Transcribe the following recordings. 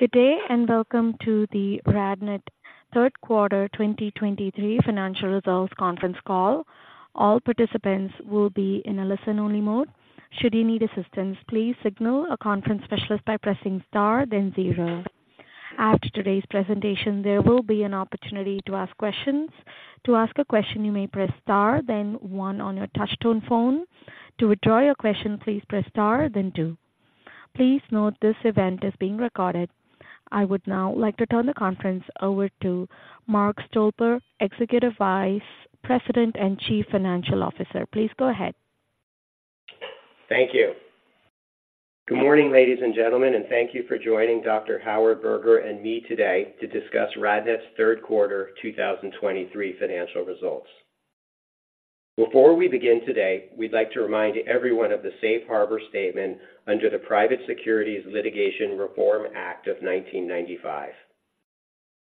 Good day, and welcome to the RadNet Third Quarter 2023 Financial Results Conference Call. All participants will be in a listen-only mode. Should you need assistance, please signal a conference specialist by pressing Star, then zero. After today's presentation, there will be an opportunity to ask questions. To ask a question, you may press Star, then one on your touchtone phone. To withdraw your question, please press Star, then two. Please note, this event is being recorded. I would now like to turn the conference over to Mark Stolper, Executive Vice President and Chief Financial Officer. Please go ahead. Thank you. Good morning, ladies and gentlemen, and thank you for joining Dr. Howard Berger and me today to discuss RadNet's Third Quarter 2023 Financial Results. Before we begin today, we'd like to remind everyone of the safe harbor statement under the Private Securities Litigation Reform Act of 1995.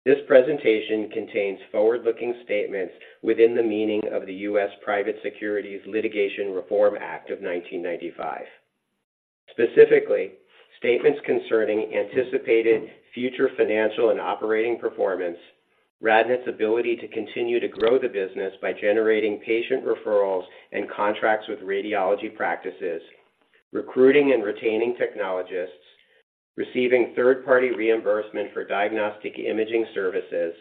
This presentation contains forward-looking statements within the meaning of the U.S. Private Securities Litigation Reform Act of 1995. Specifically, statements concerning anticipated future financial and operating performance, RadNet's ability to continue to grow the business by generating patient referrals and contracts with radiology practices, recruiting and retaining technologists, receiving third-party reimbursement for diagnostic imaging services,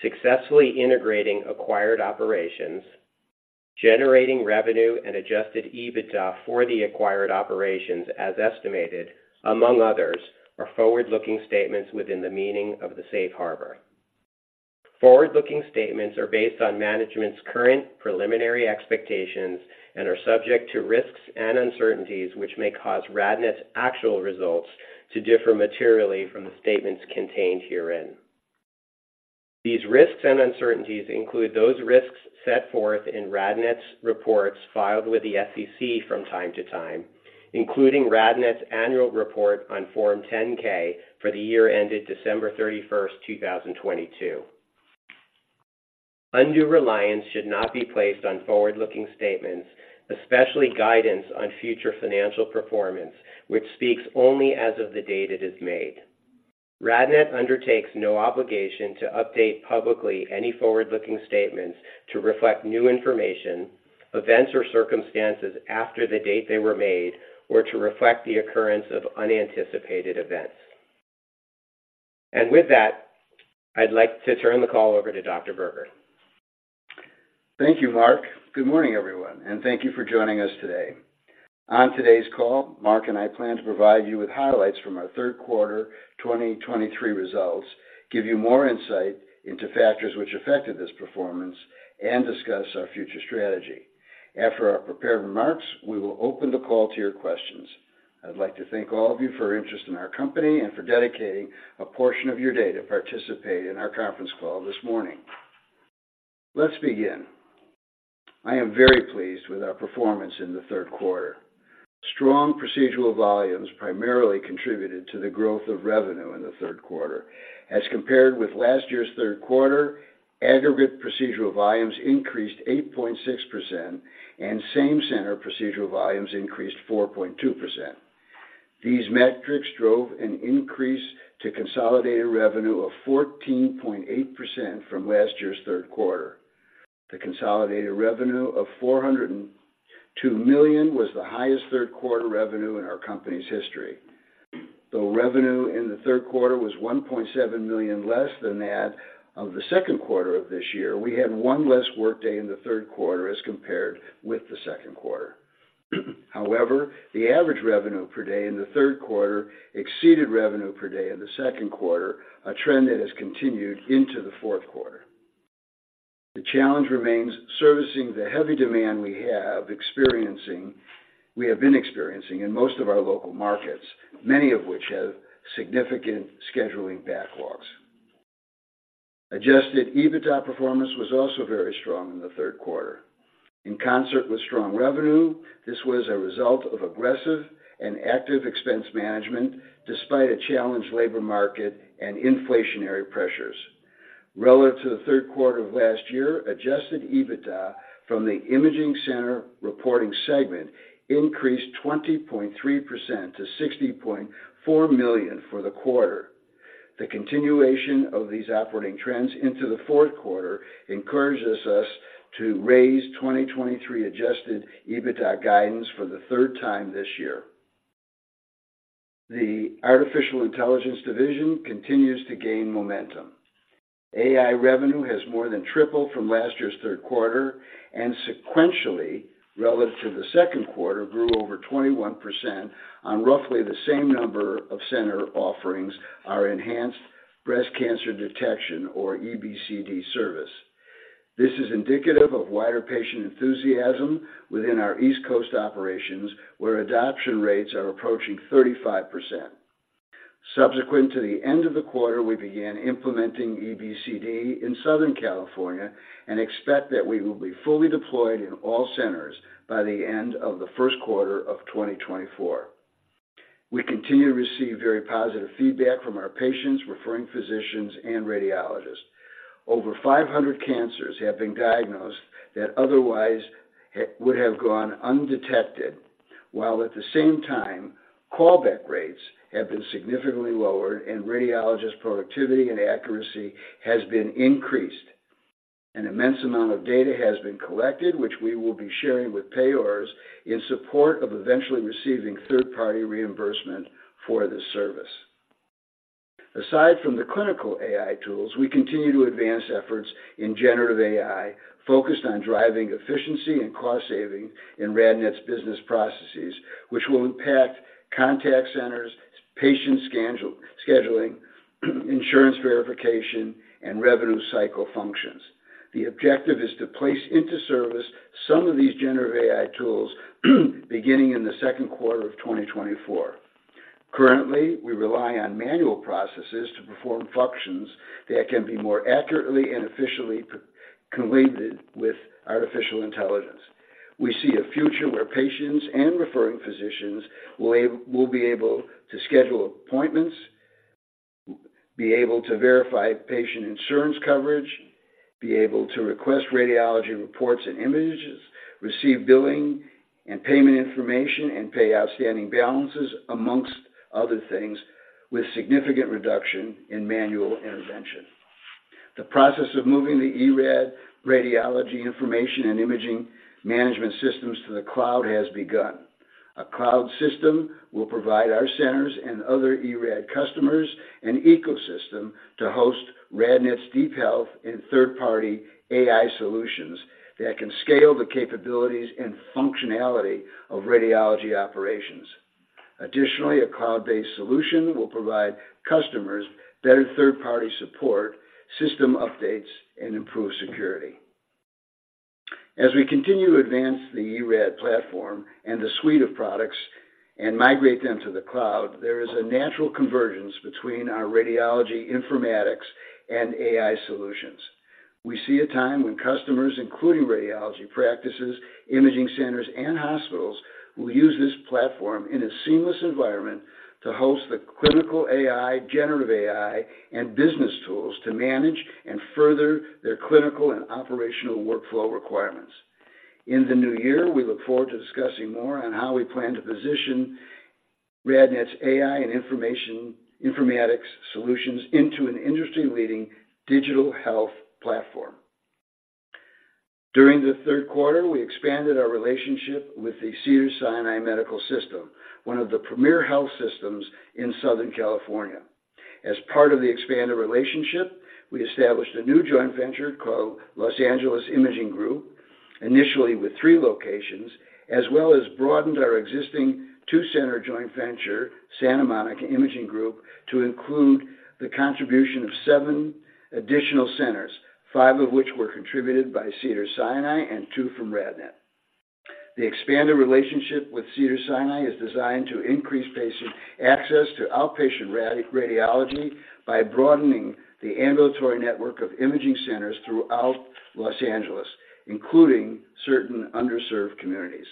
successfully integrating acquired operations, generating revenue and Adjusted EBITDA for the acquired operations as estimated, among others, are forward-looking statements within the meaning of the safe harbor. Forward-looking statements are based on management's current preliminary expectations and are subject to risks and uncertainties, which may cause RadNet's actual results to differ materially from the statements contained herein. These risks and uncertainties include those risks set forth in RadNet's reports filed with the SEC from time to time, including RadNet's annual report on Form 10-K for the year ended December 31st, 2022. Undue reliance should not be placed on forward-looking statements, especially guidance on future financial performance, which speaks only as of the date it is made. RadNet undertakes no obligation to update publicly any forward-looking statements to reflect new information, events, or circumstances after the date they were made, or to reflect the occurrence of unanticipated events. With that, I'd like to turn the call over to Dr. Berger. Thank you, Mark. Good morning, everyone, and thank you for joining us today. On today's call, Mark and I plan to provide you with highlights from our Third Quarter 2023 Results, give you more insight into factors which affected this performance, and discuss our future strategy. After our prepared remarks, we will open the call to your questions. I'd like to thank all of you for your interest in our company and for dedicating a portion of your day to participate in our conference call this morning. Let's begin. I am very pleased with our performance in the third quarter. Strong procedural volumes primarily contributed to the growth of revenue in the third quarter as compared with last year's third quarter. Aggregate procedural volumes increased 8.6%, and same-center procedural volumes increased 4.2%. These metrics drove an increase to consolidated revenue of 14.8% from last year's third quarter. The consolidated revenue of $402 million was the highest third quarter revenue in our company's history. The revenue in the third quarter was $1.7 million less than that of the second quarter of this year. We had one less workday in the third quarter as compared with the second quarter. However, the average revenue per day in the third quarter exceeded revenue per day in the second quarter, a trend that has continued into the fourth quarter. The challenge remains servicing the heavy demand we have been experiencing in most of our local markets, many of which have significant scheduling backlogs. Adjusted EBITDA performance was also very strong in the third quarter. In concert with strong revenue, this was a result of aggressive and active expense management, despite a challenged labor market and inflationary pressures. Relative to the third quarter of last year, adjusted EBITDA from the imaging center reporting segment increased 20.3% to $60.4 million for the quarter. The continuation of these upward trends into the fourth quarter encourages us to raise 2023 adjusted EBITDA guidance for the third time this year. The artificial intelligence division continues to gain momentum. AI revenue has more than tripled from last year's third quarter, and sequentially, relative to the second quarter, grew over 21% on roughly the same number of center offerings, our Enhanced Breast Cancer Detection, or EBCD service. This is indicative of wider patient enthusiasm within our East Coast operations, where adoption rates are approaching 35%. Subsequent to the end of the quarter, we began implementing EBCD in Southern California and expect that we will be fully deployed in all centers by the end of the first quarter of 2024. We continue to receive very positive feedback from our patients, referring physicians, and radiologists. Over 500 cancers have been diagnosed that otherwise would have gone undetected, while at the same time, callback rates have been significantly lower and radiologist productivity and accuracy has been increased. An immense amount of data has been collected, which we will be sharing with payers in support of eventually receiving third-party reimbursement for this service. Aside from the clinical AI tools, we continue to advance efforts in generative AI, focused on driving efficiency and cost saving in RadNet's business processes, which will impact contact centers, patient scheduling, insurance verification, and revenue cycle functions. The objective is to place into service some of these generative AI tools beginning in the second quarter of 2024. Currently, we rely on manual processes to perform functions that can be more accurately and efficiently completed with artificial intelligence. We see a future where patients and referring physicians will will be able to schedule appointments, be able to verify patient insurance coverage, be able to request radiology reports and images, receive billing and payment information, and pay outstanding balances, amongst other things, with significant reduction in manual intervention. The process of moving the eRAD radiology information and imaging management systems to the cloud has begun. A cloud system will provide our centers and other eRAD customers an ecosystem to host RadNet's DeepHealth and third-party AI solutions that can scale the capabilities and functionality of radiology operations. Additionally, a cloud-based solution will provide customers better third-party support, system updates, and improved security. As we continue to advance the eRAD platform and the suite of products and migrate them to the cloud, there is a natural convergence between our radiology informatics and AI solutions. We see a time when customers, including radiology practices, imaging centers, and hospitals, will use this platform in a seamless environment to host the clinical AI, generative AI, and business tools to manage and further their clinical and operational workflow requirements. In the new year, we look forward to discussing more on how we plan to position RadNet's AI and informatics solutions into an industry-leading digital health platform. During the third quarter, we expanded our relationship with the Cedars-Sinai medical system, one of the premier health systems in Southern California. As part of the expanded relationship, we established a new joint venture called Los Angeles Imaging Group, initially with 3 locations, as well as broadened our existing 2-center joint venture, Santa Monica Imaging Group, to include the contribution of 7 additional centers, 5 of which were contributed by Cedars-Sinai and 2 from RadNet. The expanded relationship with Cedars-Sinai is designed to increase patient access to outpatient radiology by broadening the ambulatory network of imaging centers throughout Los Angeles, including certain underserved communities.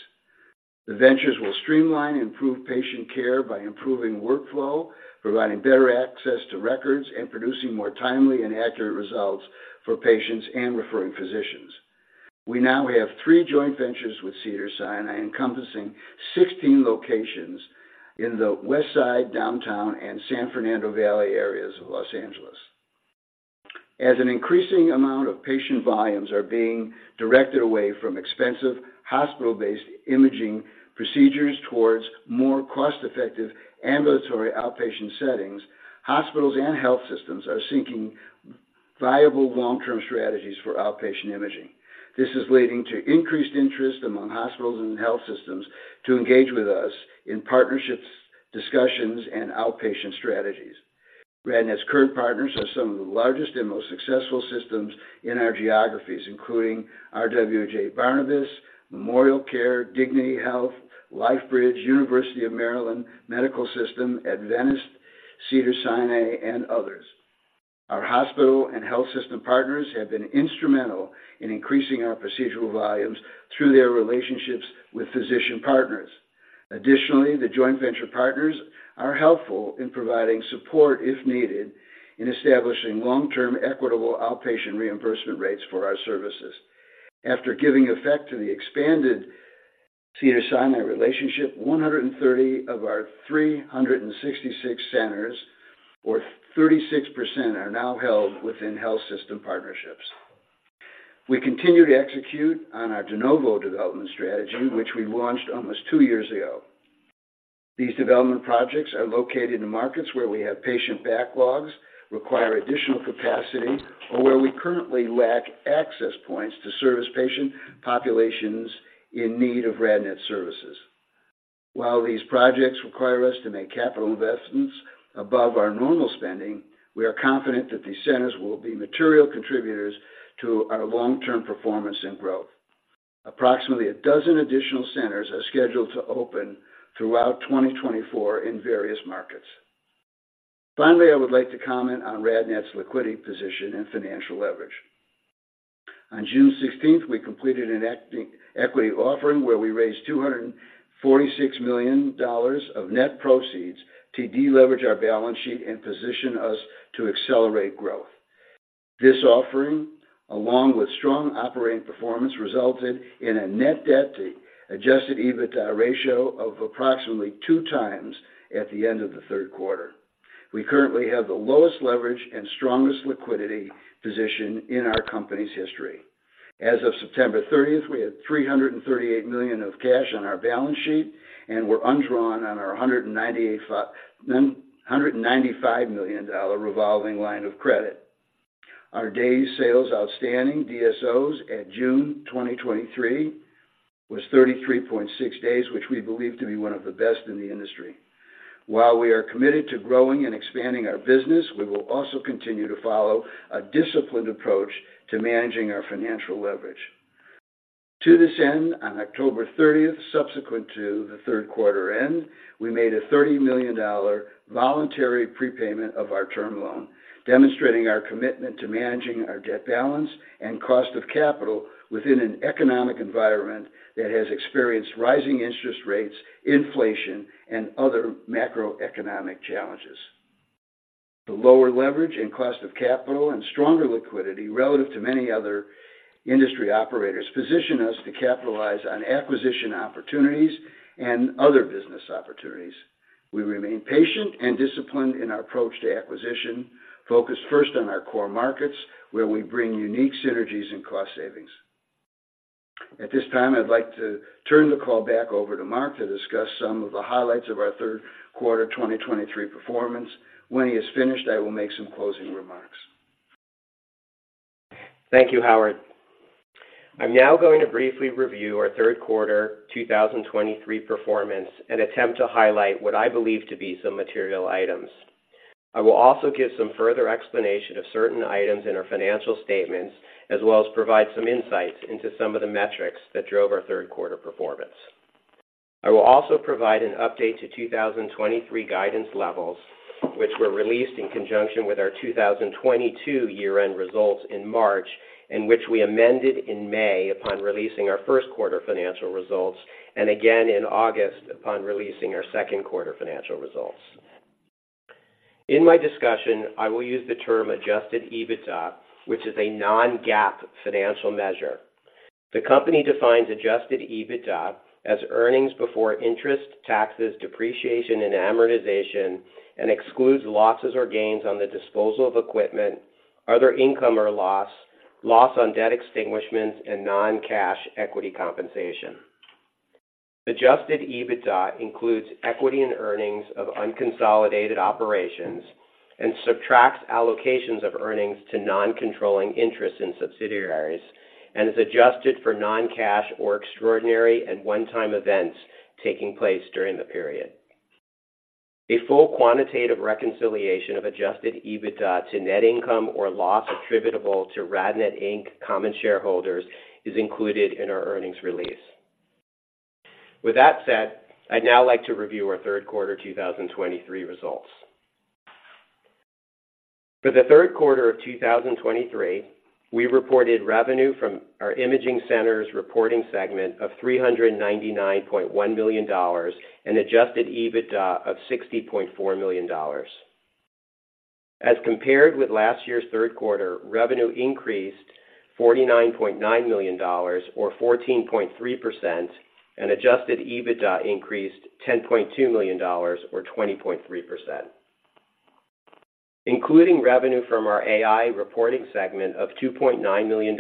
The ventures will streamline and improve patient care by improving workflow, providing better access to records, and producing more timely and accurate results for patients and referring physicians. We now have 3 joint ventures with Cedars-Sinai, encompassing 16 locations in the West Side, Downtown, and San Fernando Valley areas of Los Angeles. As an increasing amount of patient volumes are being directed away from expensive hospital-based imaging procedures towards more cost-effective ambulatory outpatient settings, hospitals and health systems are seeking viable long-term strategies for outpatient imaging. This is leading to increased interest among hospitals and health systems to engage with us in partnerships, discussions, and outpatient strategies. RadNet's current partners are some of the largest and most successful systems in our geographies, including RWJBarnabas, MemorialCare, Dignity Health, LifeBridge, University of Maryland Medical System, Adventist, Cedars-Sinai, and others. Our hospital and health system partners have been instrumental in increasing our procedural volumes through their relationships with physician partners. Additionally, the joint venture partners are helpful in providing support, if needed, in establishing long-term, equitable outpatient reimbursement rates for our services. After giving effect to the expanded Cedars-Sinai relationship, 130 of our 366 centers, or 36%, are now held within health system partnerships. We continue to execute on our de novo development strategy, which we launched almost 2 years ago. These development projects are located in markets where we have patient backlogs, require additional capacity, or where we currently lack access points to service patient populations in need of RadNet services. While these projects require us to make capital investments above our normal spending, we are confident that these centers will be material contributors to our long-term performance and growth. Approximately 12 additional centers are scheduled to open throughout 2024 in various markets. Finally, I would like to comment on RadNet's liquidity position and financial leverage... On June 16th, we completed an equity offering, where we raised $246 million of net proceeds to deleverage our balance sheet and position us to accelerate growth. This offering, along with strong operating performance, resulted in a net debt to Adjusted EBITDA ratio of approximately 2x at the end of the third quarter. We currently have the lowest leverage and strongest liquidity position in our company's history. As of September 30th, we had $338 million of cash on our balance sheet, and we're undrawn on our $195 million revolving line of credit. Our days sales outstanding, DSOs, at June 2023, was 33.6 days, which we believe to be one of the best in the industry. While we are committed to growing and expanding our business, we will also continue to follow a disciplined approach to managing our financial leverage. To this end, on October 30th, subsequent to the third quarter end, we made a $30 million voluntary prepayment of our term loan, demonstrating our commitment to managing our debt balance and cost of capital within an economic environment that has experienced rising interest rates, inflation, and other macroeconomic challenges. The lower leverage and cost of capital and stronger liquidity relative to many other industry operators, position us to capitalize on acquisition opportunities and other business opportunities. We remain patient and disciplined in our approach to acquisition, focused first on our core markets, where we bring unique synergies and cost savings. At this time, I'd like to turn the call back over to Mark to discuss some of the highlights of our Third Quarter 2023 performance. When he is finished, I will make some closing remarks. Thank you, Howard. I'm now going to briefly review our third quarter 2023 performance and attempt to highlight what I believe to be some material items. I will also give some further explanation of certain items in our financial statements, as well as provide some insights into some of the metrics that drove our third quarter performance. I will also provide an update to 2023 guidance levels, which were released in conjunction with our 2022 year-end results in March, and which we amended in May upon releasing our first quarter financial results, and again in August upon releasing our second quarter financial results. In my discussion, I will use the term Adjusted EBITDA, which is a non-GAAP financial measure. The company defines Adjusted EBITDA as earnings before interest, taxes, depreciation, and amortization, and excludes losses or gains on the disposal of equipment, other income or loss, loss on debt extinguishment, and non-cash equity compensation. Adjusted EBITDA includes equity and earnings of unconsolidated operations and subtracts allocations of earnings to non-controlling interests in subsidiaries, and is adjusted for non-cash or extraordinary and one-time events taking place during the period. A full quantitative reconciliation of Adjusted EBITDA to net income or loss attributable to RadNet, Inc. common shareholders is included in our earnings release. With that said, I'd now like to review our Third Quarter 2023 Results. For the third quarter of 2023, we reported revenue from our imaging centers reporting segment of $399.1 million, and Adjusted EBITDA of $60.4 million. As compared with last year's third quarter, revenue increased $49.9 million, or 14.3%, and Adjusted EBITDA increased $10.2 million, or 20.3%. Including revenue from our AI reporting segment of $2.9 million,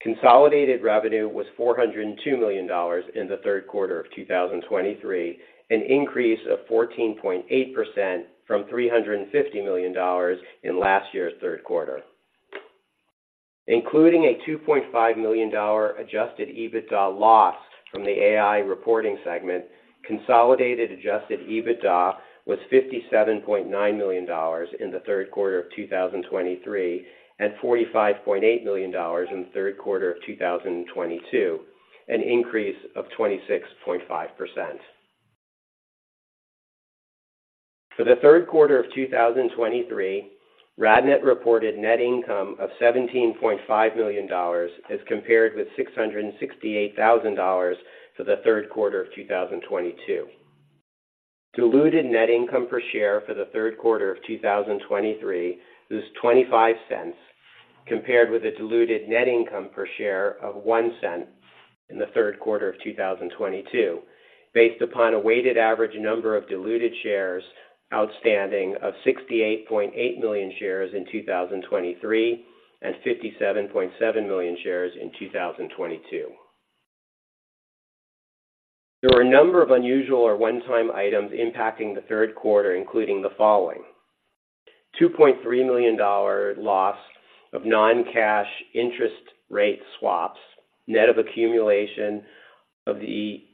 consolidated revenue was $402 million in the third quarter of 2023, an increase of 14.8% from $350 million in last year's third quarter. Including a $2.5 million Adjusted EBITDA loss from the AI reporting segment, consolidated Adjusted EBITDA was $57.9 million in the third quarter of 2023, and $45.8 million in the third quarter of 2022, an increase of 26.5%. For the third quarter of 2023, RadNet reported net income of $17.5 million, as compared with $668,000 for the third quarter of 2022. Diluted net income per share for the third quarter of 2023 was $0.25, compared with a diluted net income per share of $0.01 in the third quarter of 2022, based upon a weighted average number of diluted shares outstanding of 68.8 million shares in 2023, and 57.7 million shares in 2022. There were a number of unusual or one-time items impacting the third quarter, including the following: $2.3 million loss on non-cash interest rate swaps, net of accumulation of the,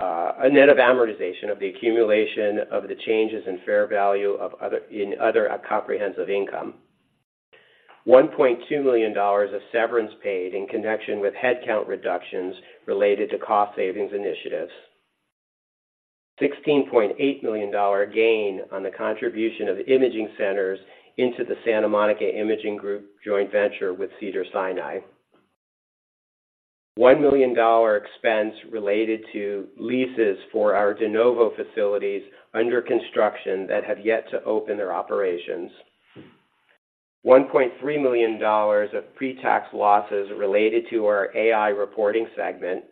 net of amortization of the accumulation of the changes in fair value of other, in other comprehensive income. $1.2 million of severance paid in connection with headcount reductions related to cost savings initiatives. $16.8 million gain on the contribution of imaging centers into the Santa Monica Imaging Group joint venture with Cedars-Sinai. $1 million expense related to leases for our de novo facilities under construction that have yet to open their operations. $1.3 million of pretax losses related to our AI reporting segment,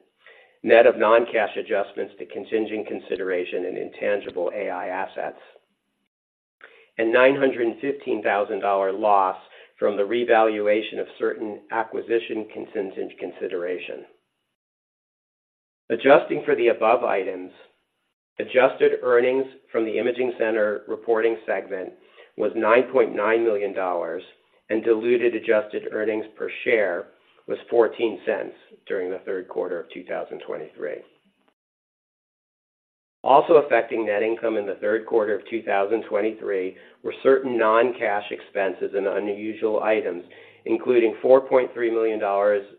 net of non-cash adjustments to contingent consideration and intangible AI assets, and $915,000 loss from the revaluation of certain acquisition contingent consideration. Adjusting for the above items, adjusted earnings from the imaging center reporting segment was $9.9 million, and diluted adjusted earnings per share was $0.14 during the third quarter of 2023. Also affecting net income in the third quarter of 2023 were certain non-cash expenses and unusual items, including $4.3 million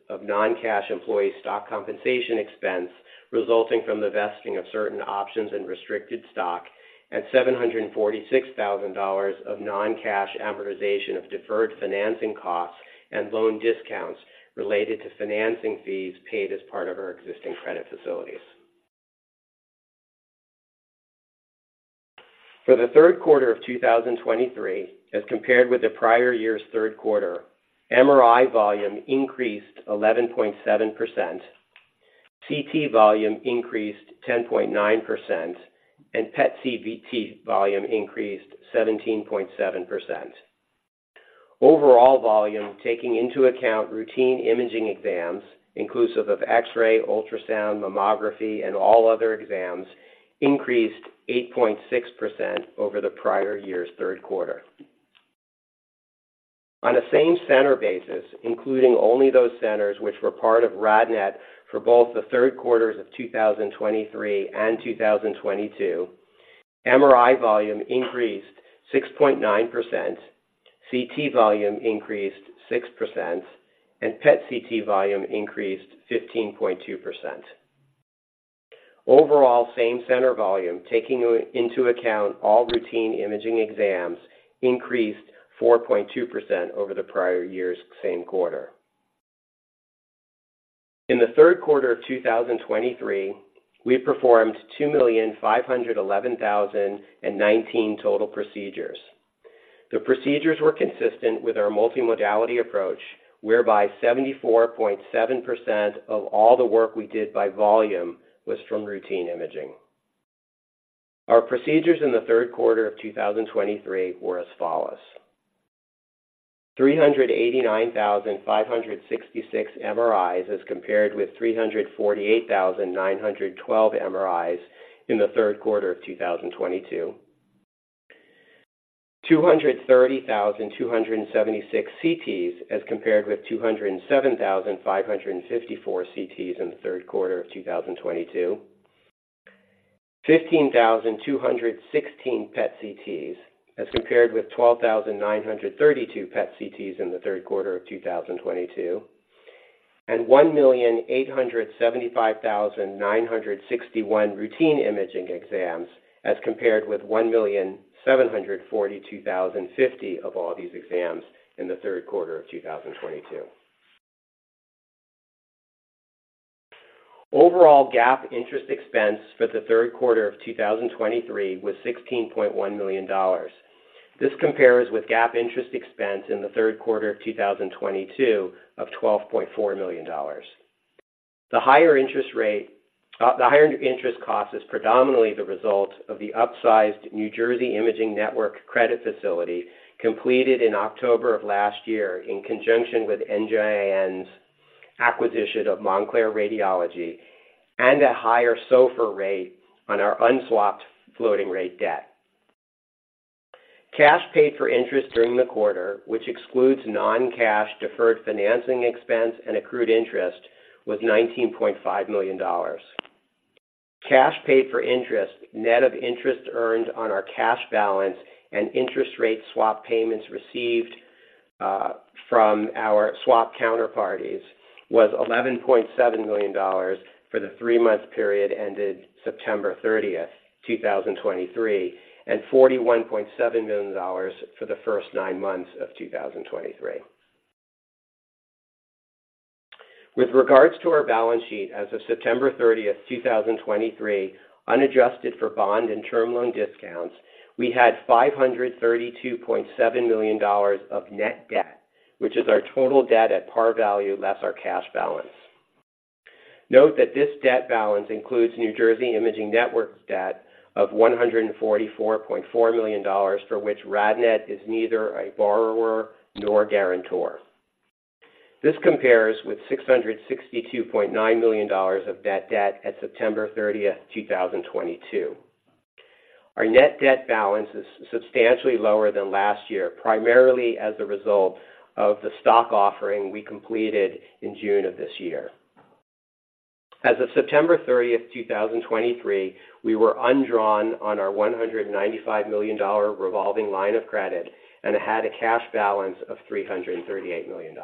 of non-cash employee stock compensation expense, resulting from the vesting of certain options and restricted stock, and $746,000 of non-cash amortization of deferred financing costs and loan discounts related to financing fees paid as part of our existing credit facilities. For the third quarter of 2023, as compared with the prior year's third quarter, MRI volume increased 11.7%, CT volume increased 10.9%, and PET/CT volume increased 17.7%. Overall volume, taking into account routine imaging exams, inclusive of X-ray, ultrasound, mammography, and all other exams, increased 8.6% over the prior year's third quarter. On a same-center basis, including only those centers which were part of RadNet for both the third quarters of 2023 and 2022, MRI volume increased 6.9%, CT volume increased 6%, and PET/CT volume increased 15.2%. Overall, same-center volume, taking into account all routine imaging exams, increased 4.2% over the prior year's same quarter. In the third quarter of 2023, we performed 2,011,019 total procedures. The procedures were consistent with our multimodality approach, whereby 74.7% of all the work we did by volume was from routine imaging. Our procedures in the third quarter of 2023 were as follows: 389,566 MRIs, as compared with 348,912 MRIs in the third quarter of 2022. 230,276 CTs, as compared with 207,554 CTs in the third quarter of 2022. 15,216 PET/CTs, as compared with 12,932 PET/CTs in the third quarter of 2022, and 1,875,961 routine imaging exams, as compared with 1,742,050 of all these exams in the third quarter of 2022. Overall, GAAP interest expense for the third quarter of 2023 was $16.1 million. This compares with GAAP interest expense in the third quarter of 2022 of $12.4 million. The higher interest cost is predominantly the result of the upsized New Jersey Imaging Network credit facility, completed in October of last year in conjunction with NJIN's acquisition of Montclair Radiology, and a higher SOFR rate on our unswapped floating rate debt. Cash paid for interest during the quarter, which excludes non-cash deferred financing expense and accrued interest, was $19.5 million. Cash paid for interest, net of interest earned on our cash balance and interest rate swap payments received, from our swap counterparties, was $11.7 million for the three-month period ended September 30th, 2023, and $41.7 million for the first nine months of 2023. With regards to our balance sheet as of September 30th, 2023, unadjusted for bond and term loan discounts, we had $532.7 million of net debt, which is our total debt at par value, less our cash balance. Note that this debt balance includes New Jersey Imaging Network's debt of $144.4 million, for which RadNet is neither a borrower nor guarantor. This compares with $662.9 million of that debt at September 30th, 2022. Our net debt balance is substantially lower than last year, primarily as a result of the stock offering we completed in June of this year. As of September 30th, 2023, we were undrawn on our $195 million revolving line of credit and had a cash balance of $338 million,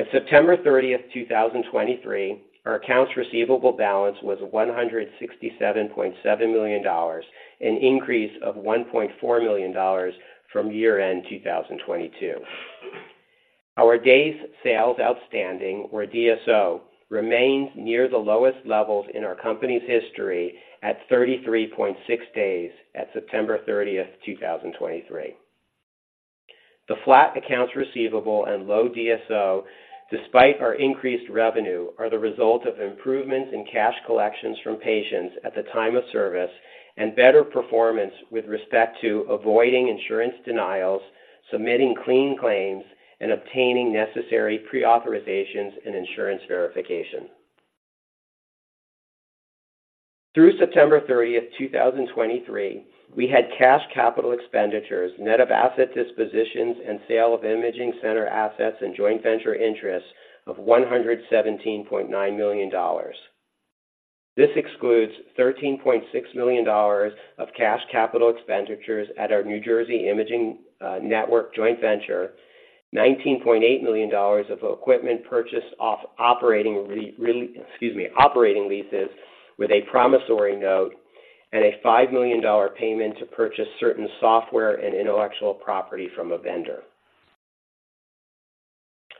At September 30th, 2023, our accounts receivable balance was $167.7 million, an increase of $1.4 million from year-end 2022. Our days sales outstanding, or DSO, remains near the lowest levels in our company's history at 33.6 days at September 30th, 2023. The flat accounts receivable and low DSO, despite our increased revenue, are the result of improvements in cash collections from patients at the time of service and better performance with respect to avoiding insurance denials, submitting clean claims, and obtaining necessary pre-authorizations and insurance verification. Through September 30th, 2023, we had cash capital expenditures, net of asset dispositions and sale of imaging center assets and joint venture interests of $117.9 million. This excludes $13.6 million of cash capital expenditures at our New Jersey Imaging Network joint venture, $19.8 million of equipment purchased off operating leases with a promissory note, and a $5 million payment to purchase certain software and intellectual property from a vendor.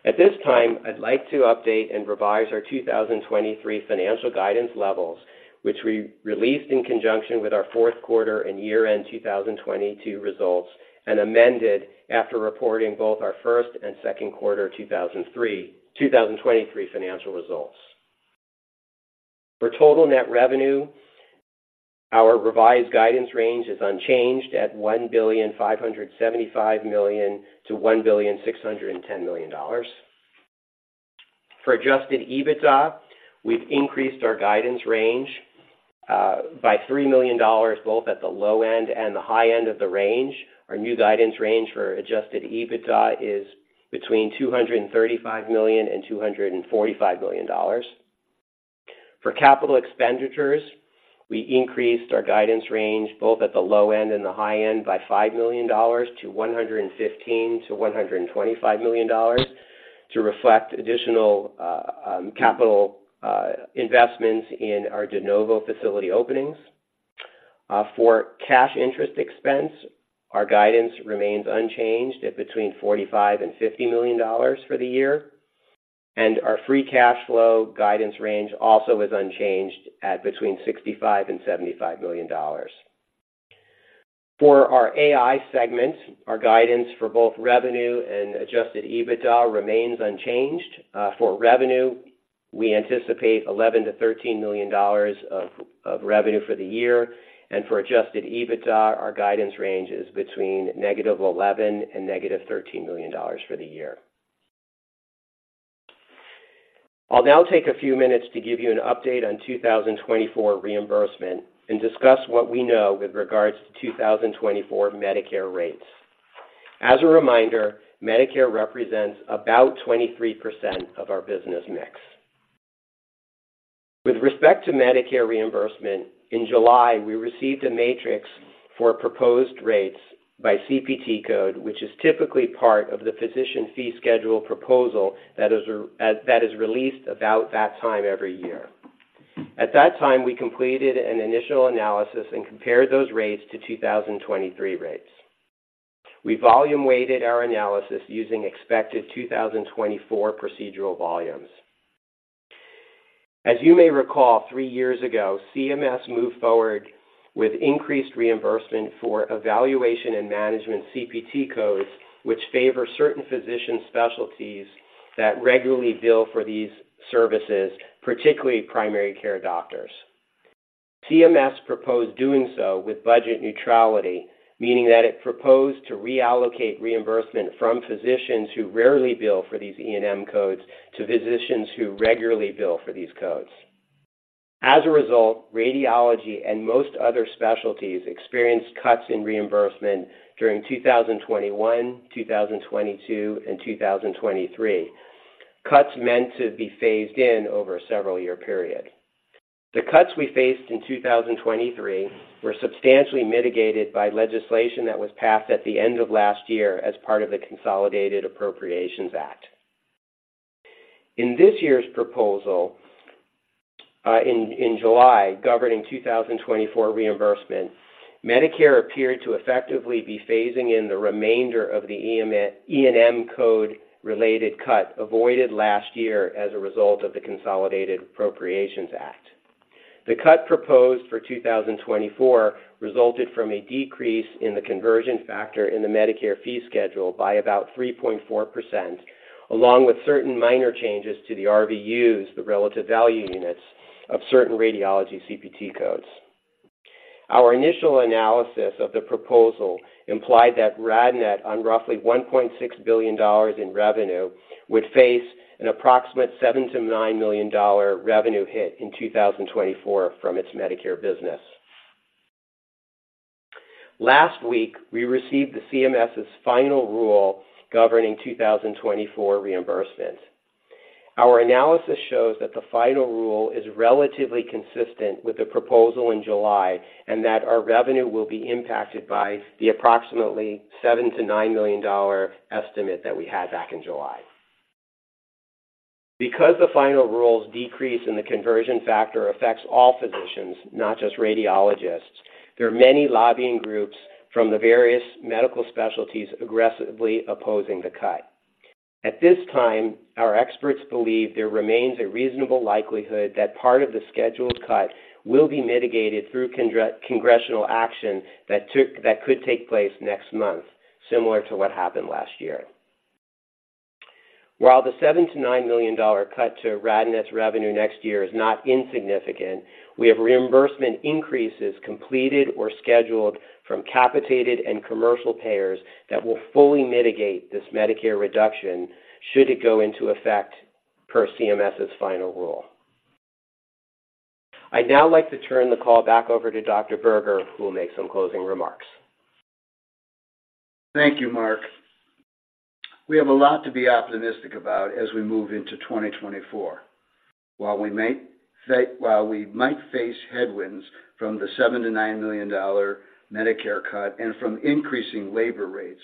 At this time, I'd like to update and revise our 2023 financial guidance levels, which we released in conjunction with our fourth quarter and year-end 2022 results, and amended after reporting both our first and second quarter 2023 financial results. For total net revenue, our revised guidance range is unchanged at $1.575 billion-$1.61 billion. For Adjusted EBITDA, we've increased our guidance range by $3 million, both at the low end and the high end of the range. Our new guidance range for Adjusted EBITDA is between $235 million and $245 million. For capital expenditures, we increased our guidance range, both at the low end and the high end, by $5 million-$115 million-$125 million to reflect additional capital investments in our De Novo facility openings. For cash interest expense, our guidance remains unchanged at between $45 million and $50 million for the year, and our free cash flow guidance range also is unchanged at between $65 million and $75 million. For our AI segment, our guidance for both revenue and Adjusted EBITDA remains unchanged. For revenue, we anticipate $11 million-$13 million of revenue for the year, and for Adjusted EBITDA, our guidance range is between -$11 million and -$13 million for the year. I'll now take a few minutes to give you an update on 2024 reimbursement and discuss what we know with regards to 2024 Medicare rates. As a reminder, Medicare represents about 23% of our business mix. With respect to Medicare reimbursement, in July, we received a matrix for proposed rates by CPT code, which is typically part of the physician fee schedule proposal that is released about that time every year. At that time, we completed an initial analysis and compared those rates to 2023 rates. We volume weighted our analysis using expected 2024 procedural volumes. As you may recall, 3 years ago, CMS moved forward with increased reimbursement for evaluation and management CPT codes, which favor certain physician specialties that regularly bill for these services, particularly primary care doctors. CMS proposed doing so with budget neutrality, meaning that it proposed to reallocate reimbursement from physicians who rarely bill for these E&M codes to physicians who regularly bill for these codes. As a result, radiology and most other specialties experienced cuts in reimbursement during 2021, 2022, and 2023. Cuts meant to be phased in over a several year period. The cuts we faced in 2023 were substantially mitigated by legislation that was passed at the end of last year as part of the Consolidated Appropriations Act. In this year's proposal, in July, governing 2024 reimbursement, Medicare appeared to effectively be phasing in the remainder of the E&M code-related cut, avoided last year as a result of the Consolidated Appropriations Act. The cut proposed for 2024 resulted from a decrease in the conversion factor in the Medicare fee schedule by about 3.4%, along with certain minor changes to the RVUs, the relative value units, of certain radiology CPT codes. Our initial analysis of the proposal implied that RadNet, on roughly $1.6 billion in revenue, would face an approximate $7 million-$9 million revenue hit in 2024 from its Medicare business. Last week, we received the CMS's final rule governing 2024 reimbursement. Our analysis shows that the final rule is relatively consistent with the proposal in July, and that our revenue will be impacted by the approximately $7 million-$9 million estimate that we had back in July. Because the final rules decrease in the conversion factor affects all physicians, not just radiologists, there are many lobbying groups from the various medical specialties aggressively opposing the cut. At this time, our experts believe there remains a reasonable likelihood that part of the scheduled cut will be mitigated through congressional action that could take place next month, similar to what happened last year. While the $7 million-$9 million cut to RadNet's revenue next year is not insignificant, we have reimbursement increases completed or scheduled from capitated and commercial payers that will fully mitigate this Medicare reduction should it go into effect per CMS's final rule. I'd now like to turn the call back over to Dr. Berger, who will make some closing remarks. Thank you, Mark. We have a lot to be optimistic about as we move into 2024. While we might face headwinds from the $7 million-$9 million Medicare cut and from increasing labor rates,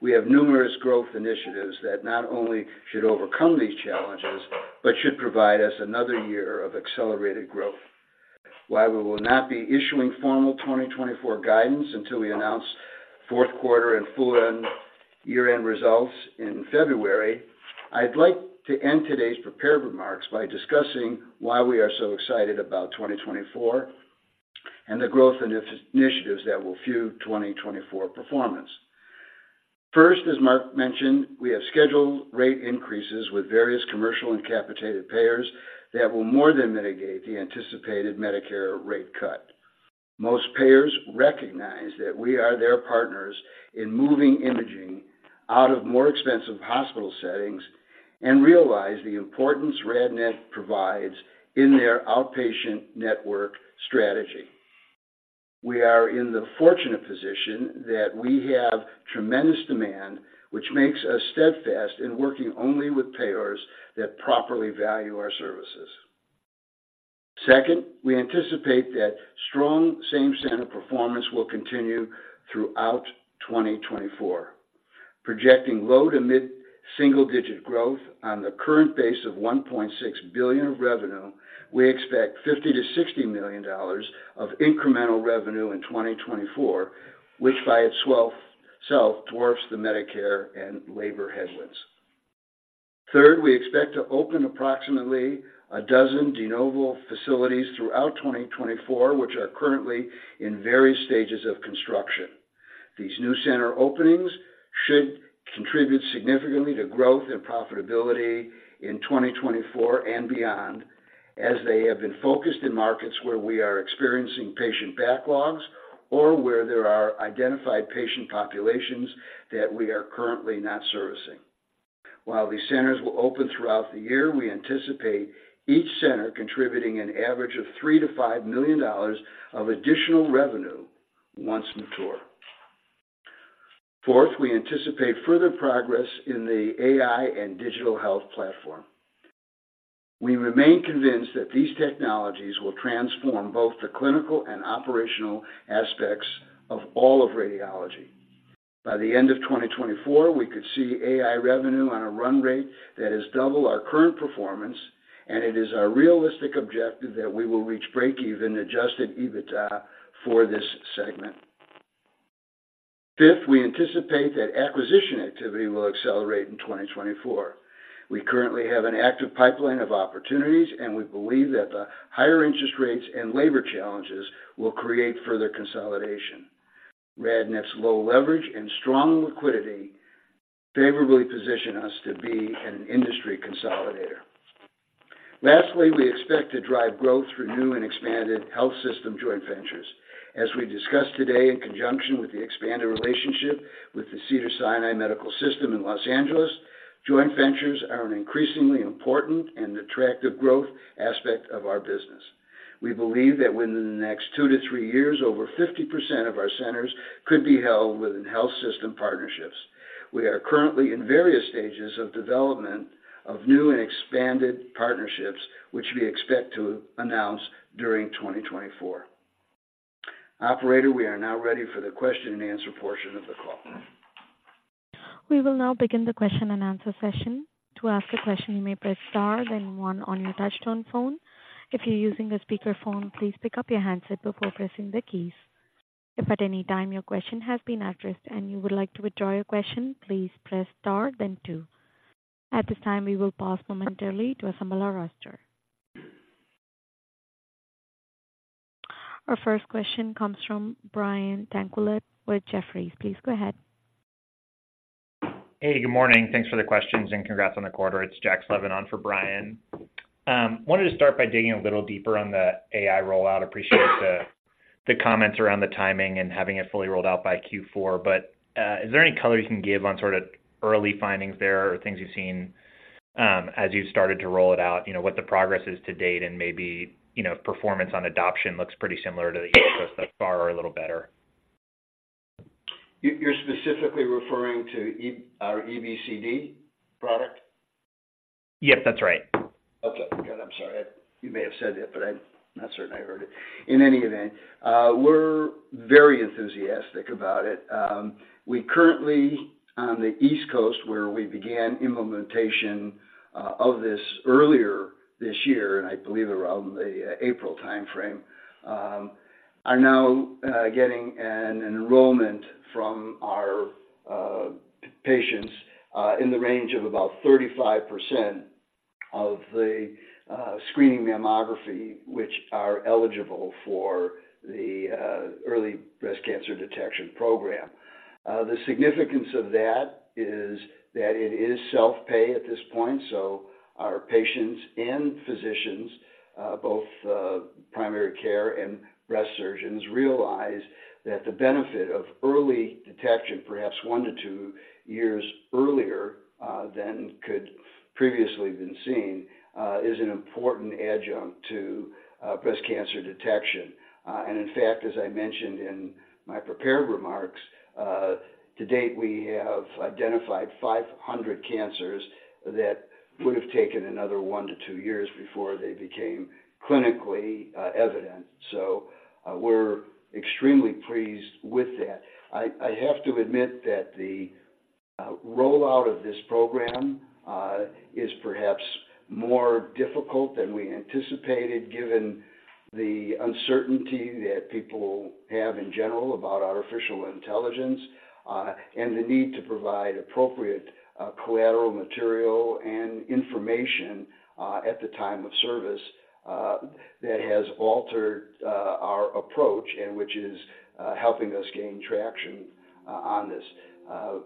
we have numerous growth initiatives that not only should overcome these challenges, but should provide us another year of accelerated growth. While we will not be issuing formal 2024 guidance until we announce fourth quarter and full year-end results in February, I'd like to end today's prepared remarks by discussing why we are so excited about 2024, and the growth initiatives that will fuel 2024 performance. First, as Mark mentioned, we have scheduled rate increases with various commercial and capitated payers that will more than mitigate the anticipated Medicare rate cut. Most payers recognize that we are their partners in moving imaging out of more expensive hospital settings and realize the importance RadNet provides in their outpatient network strategy. We are in the fortunate position that we have tremendous demand, which makes us steadfast in working only with payers that properly value our services. Second, we anticipate that strong same-center performance will continue throughout 2024. Projecting low- to mid-single-digit growth on the current base of $1.6 billion of revenue, we expect $50-$60 million of incremental revenue in 2024, which by itself dwarfs the Medicare and labor headwinds. Third, we expect to open approximately 12 de novo facilities throughout 2024, which are currently in various stages of construction. These new center openings should contribute significantly to growth and profitability in 2024 and beyond, as they have been focused in markets where we are experiencing patient backlogs or where there are identified patient populations that we are currently not servicing. While these centers will open throughout the year, we anticipate each center contributing an average of $3 million-$5 million of additional revenue once mature. Fourth, we anticipate further progress in the AI and digital health platform. We remain convinced that these technologies will transform both the clinical and operational aspects of all of radiology. By the end of 2024, we could see AI revenue on a run rate that is double our current performance, and it is our realistic objective that we will reach break-even Adjusted EBITDA for this segment. Fifth, we anticipate that acquisition activity will accelerate in 2024. We currently have an active pipeline of opportunities, and we believe that the higher interest rates and labor challenges will create further consolidation. RadNet's low leverage and strong liquidity favorably position us to be an industry consolidator. Lastly, we expect to drive growth through new and expanded health system joint ventures. As we discussed today, in conjunction with the expanded relationship with the Cedars-Sinai medical system in Los Angeles, joint ventures are an increasingly important and attractive growth aspect of our business. We believe that within the next 2-3 years, over 50% of our centers could be held within health system partnerships. We are currently in various stages of development of new and expanded partnerships, which we expect to announce during 2024. Operator, we are now ready for the question and answer portion of the call. We will now begin the question and answer session. To ask a question, you may press star, then one on your touchtone phone. If you're using a speakerphone, please pick up your handset before pressing the keys. If at any time your question has been addressed and you would like to withdraw your question, please press star then two. At this time, we will pause momentarily to assemble our roster. Our first question comes from Brandon Tanquilut with Jefferies. Please go ahead. Hey, good morning. Thanks for the questions, and congrats on the quarter. It's Jack Slevin on for Brandon. Wanted to start by digging a little deeper on the AI rollout. Appreciate the, the comments around the timing and having it fully rolled out by Q4. But, is there any color you can give on sort of early findings there or things you've seen, as you've started to roll it out, you know, what the progress is to date and maybe, you know, if performance on adoption looks pretty similar to the year so far or a little better? you, you're specifically referring to E- our EBCD product? Yep, that's right. Okay, good. I'm sorry. You may have said it, but I'm not certain I heard it. In any event, we're very enthusiastic about it. We currently, on the East Coast, where we began implementation of this earlier this year, and I believe around the April timeframe, are now getting an enrollment from our patients in the range of about 35% of the screening mammography, which are eligible for the early breast cancer detection program. The significance of that is that it is self-pay at this point, so our patients and physicians, both primary care and breast surgeons, realize that the benefit of early detection, perhaps 1-2 years earlier than could previously been seen, is an important adjunct to breast cancer detection. In fact, as I mentioned in my prepared remarks, to date, we have identified 500 cancers that would have taken another 1-2 years before they became clinically evident. So, we're extremely pleased with that. I have to admit that the rollout of this program is perhaps more difficult than we anticipated, given the uncertainty that people have in general about artificial intelligence and the need to provide appropriate collateral material and information at the time of service that has altered our approach and which is helping us gain traction on this.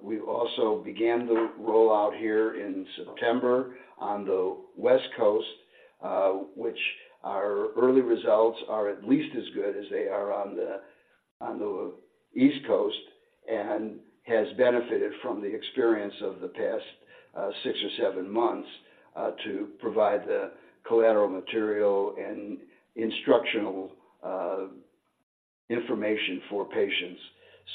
We've also began the rollout here in September on the West Coast, which our early results are at least as good as they are on the East Coast, and has benefited from the experience of the past six or seven months to provide the collateral material and instructional information for patients.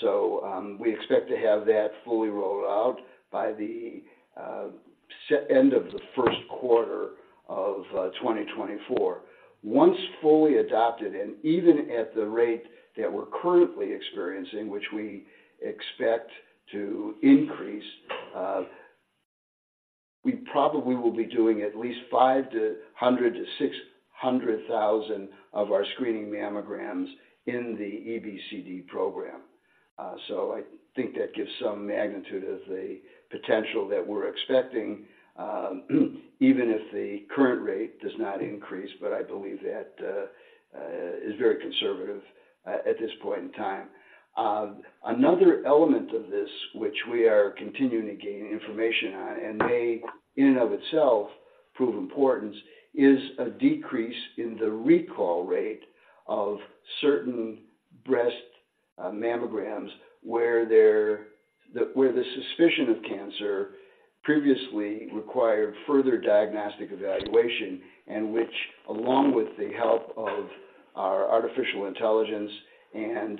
So, we expect to have that fully rolled out by the end of the first quarter of 2024. Once fully adopted, and even at the rate that we're currently experiencing, which we expect to increase, we probably will be doing at least 500,000-600,000 of our Screening Mammograms in the EBCD program. So I think that gives some magnitude of the potential that we're expecting, even if the current rate does not increase, but I believe that is very conservative at this point in time. Another element of this, which we are continuing to gain information on and may, in and of itself, prove importance, is a decrease in the recall rate of certain breast mammograms, where the suspicion of cancer previously required further diagnostic evaluation, and which, along with the help of our artificial intelligence and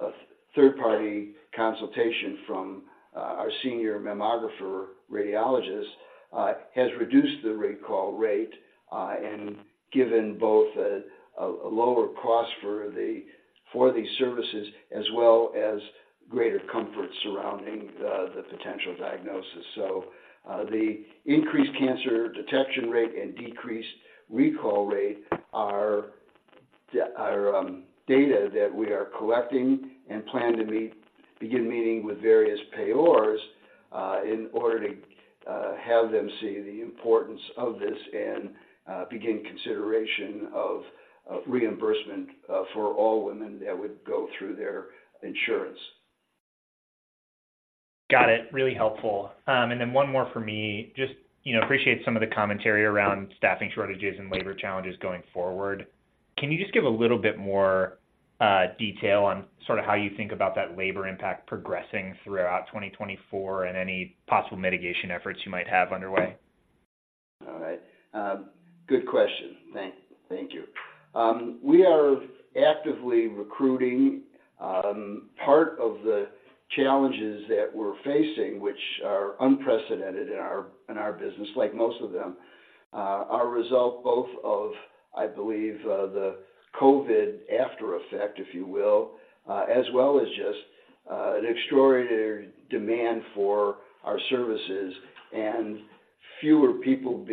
a third-party consultation from our Senior Mammographer Radiologist, has reduced the recall rate and given both a lower cost for these services, as well as greater comfort surrounding the potential diagnosis. The increased cancer detection rate and decreased recall rate are data that we are collecting and plan to begin meeting with various payers, in order to have them see the importance of this and begin consideration of reimbursement for all women that would go through their insurance. Got it. Really helpful. And then one more for me. Just, you know, appreciate some of the commentary around staffing shortages and labor challenges going forward. Can you just give a little bit more detail on sort of how you think about that labor impact progressing throughout 2024 and any possible mitigation efforts you might have underway? All right. Good question. Thank you. We are actively recruiting. Part of the challenges that we're facing, which are unprecedented in our business, like most of them, are a result both of, I believe, the COVID after effect, if you will, as well as just an extraordinary demand for our services and fewer people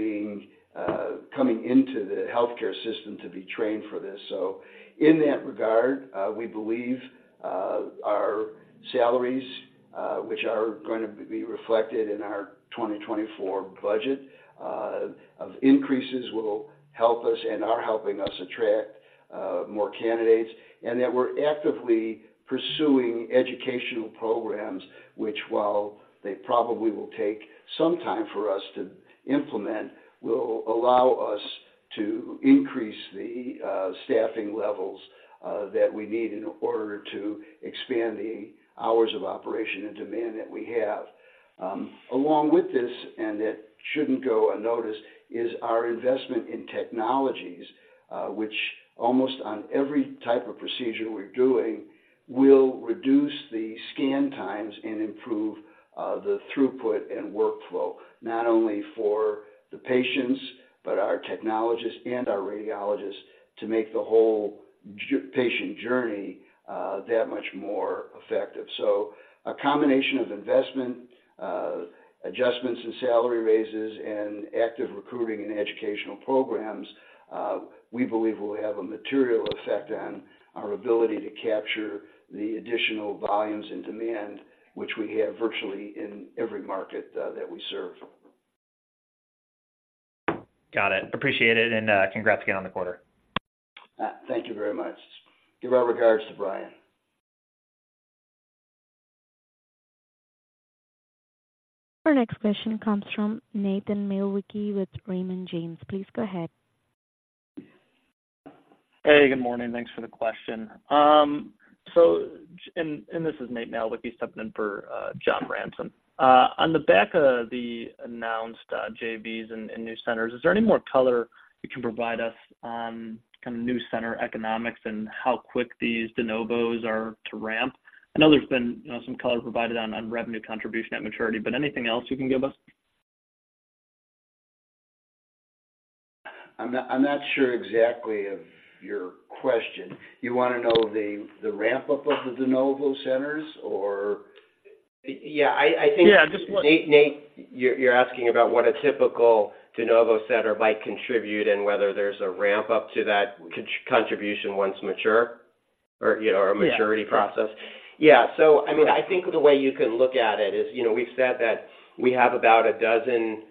coming into the healthcare system to be trained for this. So in that regard, we believe our salaries, which are going to be reflected in our 2024 budget of increases, will help us and are helping us attract more candidates, and that we're actively pursuing educational programs, which, while they probably will take some time for us to implement, will allow us to increase the staffing levels that we need in order to expand the hours of operation and demand that we have. Along with this, and it shouldn't go unnoticed, is our investment in technologies, which almost on every type of procedure we're doing will reduce the scan times and improve the throughput and workflow, not only for the patients, but our technologists and our radiologists to make the whole patient journey that much more effective. A combination of investment, adjustments in salary raises, and active recruiting and educational programs, we believe will have a material effect on our ability to capture the additional volumes and demand which we have virtually in every market, that we serve. Got it. Appreciate it, and, congrats again on the quarter. Thank you very much. Give our regards to Brandon. Our next question comes from Nathan Malewicki with Raymond James. Please go ahead. Hey, good morning. Thanks for the question. So this is Nate Malewicki, stepping in for John Ransom. On the back of the announced JVs and new centers, is there any more color you can provide us on kind of new center economics and how quick these de novos are to ramp? I know there's been, you know, some color provided on revenue contribution at maturity, but anything else you can give us? I'm not sure exactly of your question. You wanna know the ramp-up of the de novo centers, or? Yeah, I think Yeah, just what Nate, you're asking about what a typical de novo center might contribute and whether there's a ramp-up to that contribution once mature, or, you know, a maturity process? Yeah. Yeah. So, I mean, I think the way you can look at it is, you know, we've said that we have about a dozen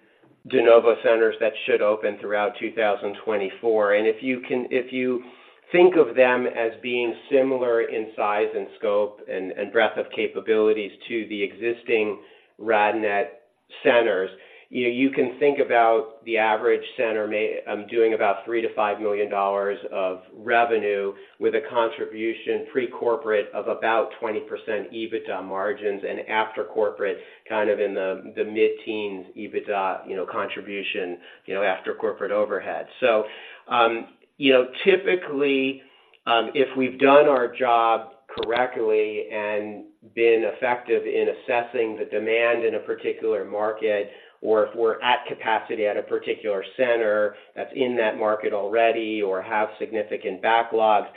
de novo centers that should open throughout 2024. And if you can, if you think of them as being similar in size and scope and breadth of capabilities to the existing RadNet centers, you know, you can think about the average center may doing about $3 million-$5 million of revenue with a contribution pre-corporate of about 20% EBITDA margins, and after corporate, kind of in the mid-teens EBITDA, you know, contribution, you know, after corporate overhead. So, you know, typically, if we've done our job correctly and been effective in assessing the demand in a particular market, or if we're at capacity at a particular center that's in that market already or have significant backlogs,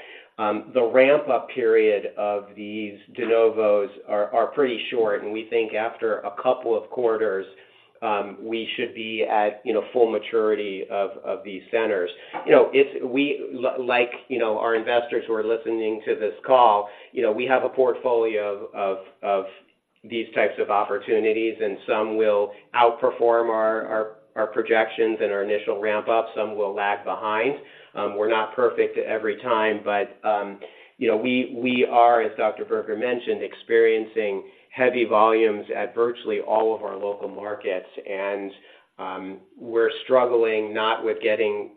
the ramp-up period of these de novos are pretty short, and we think after a couple of quarters, we should be at, you know, full maturity of these centers. You know, if we like, you know, our investors who are listening to this call, you know, we have a portfolio of these types of opportunities, and some will outperform our projections and our initial ramp-up, some will lag behind. We're not perfect every time, but, you know, we are, as Dr. Berger mentioned, experiencing heavy volumes at virtually all of our local markets. We're struggling not with getting,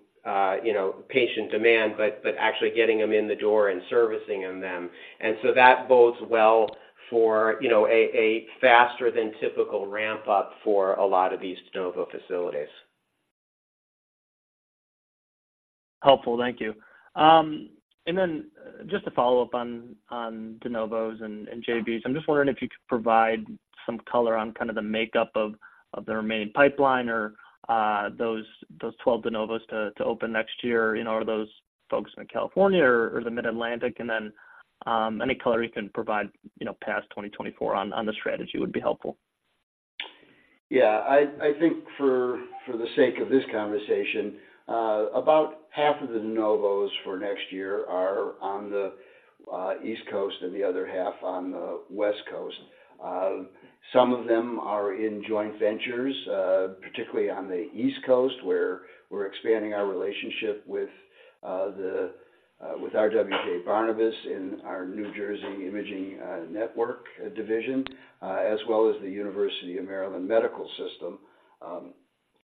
you know, patient demand, but actually getting them in the door and servicing them. And so that bodes well for, you know, a faster than typical ramp-up for a lot of these De Novo facilities. Helpful. Thank you. And then just to follow up on de novos and JVs, I'm just wondering if you could provide some color on kind of the makeup of the remaining pipeline or those twelve de novos to open next year. You know, are those focused in California or the Mid-Atlantic? And then any color you can provide, you know, past 2024 on the strategy would be helpful. Yeah. I think for the sake of this conversation, about half of the de novos for next year are on the East Coast and the other half on the West Coast. Some of them are in joint ventures, particularly on the East Coast, where we're expanding our relationship with RWJBarnabas in our New Jersey Imaging Network division, as well as the University of Maryland Medical System,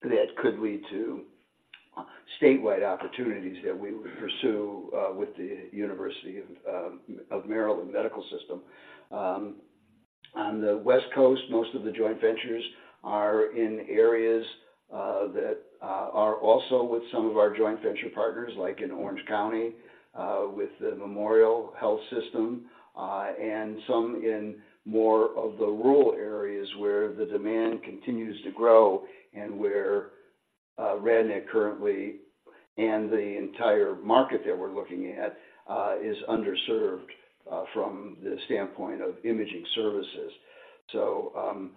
that could lead to statewide opportunities that we would pursue with the University of Maryland Medical System. On the West Coast, most of the joint ventures are in areas that are also with some of our joint venture partners, like in Orange County, with the MemorialCare, and some in more of the rural areas where the demand continues to grow and where RadNet currently, and the entire market that we're looking at, is underserved from the standpoint of imaging services. So,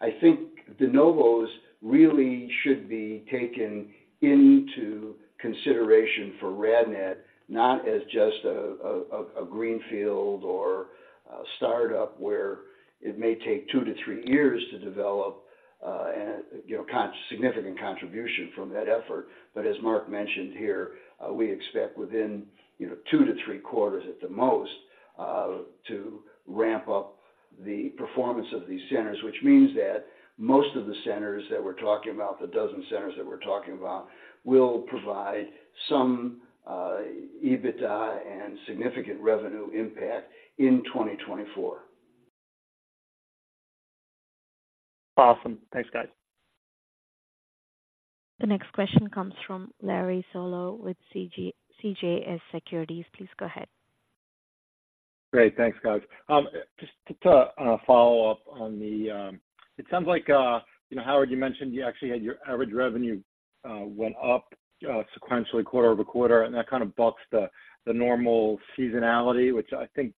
I think de novos really should be taken into consideration for RadNet, not as just a greenfield or a startup, where it may take 2-3 years to develop, you know, significant contribution from that effort. But as Mark mentioned here, we expect within, you know, 2-3 quarters at the most, to ramp up the performance of these centers, which means that most of the centers that we're talking about, the dozen centers that we're talking about, will provide some EBITDA and significant revenue impact in 2024. Awesome. Thanks, guys. The next question comes from Larry Solow with CJS Securities. Please go ahead. Great. Thanks, guys. Just to follow up on the. It sounds like, you know, Howard, you mentioned you actually had your average revenue went up sequentially quarter-over-quarter, and that kind of bucks the normal seasonality, which I think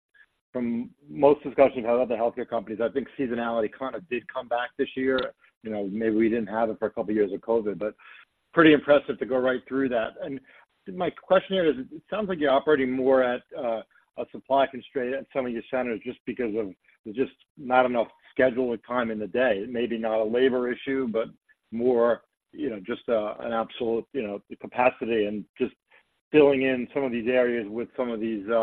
from most discussions about other healthcare companies, I think seasonality kind of did come back this year. You know, maybe we didn't have it for a couple of years with COVID, but pretty impressive to go right through that. And my question here is: It sounds like you're operating more at a supply constraint at some of your centers just because of there's just not enough schedule or time in the day. It may be not a labor issue, but more, you know, just an absolute, you know, capacity and just filling in some of these areas with some of these de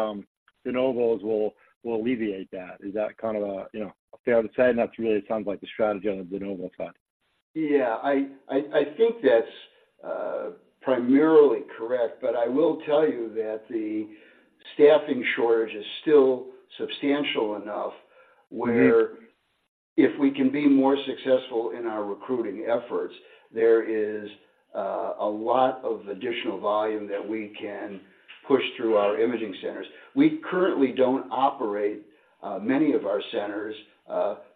novos will alleviate that. Is that kind of a, you know, fair to say? And that's really it sounds like the strategy on the de novo side. Yeah, I think that's primarily correct, but I will tell you that the staffing shortage is still substantial enough where if we can be more successful in our recruiting efforts, there is a lot of additional volume that we can push through our imaging centers. We currently don't operate many of our centers,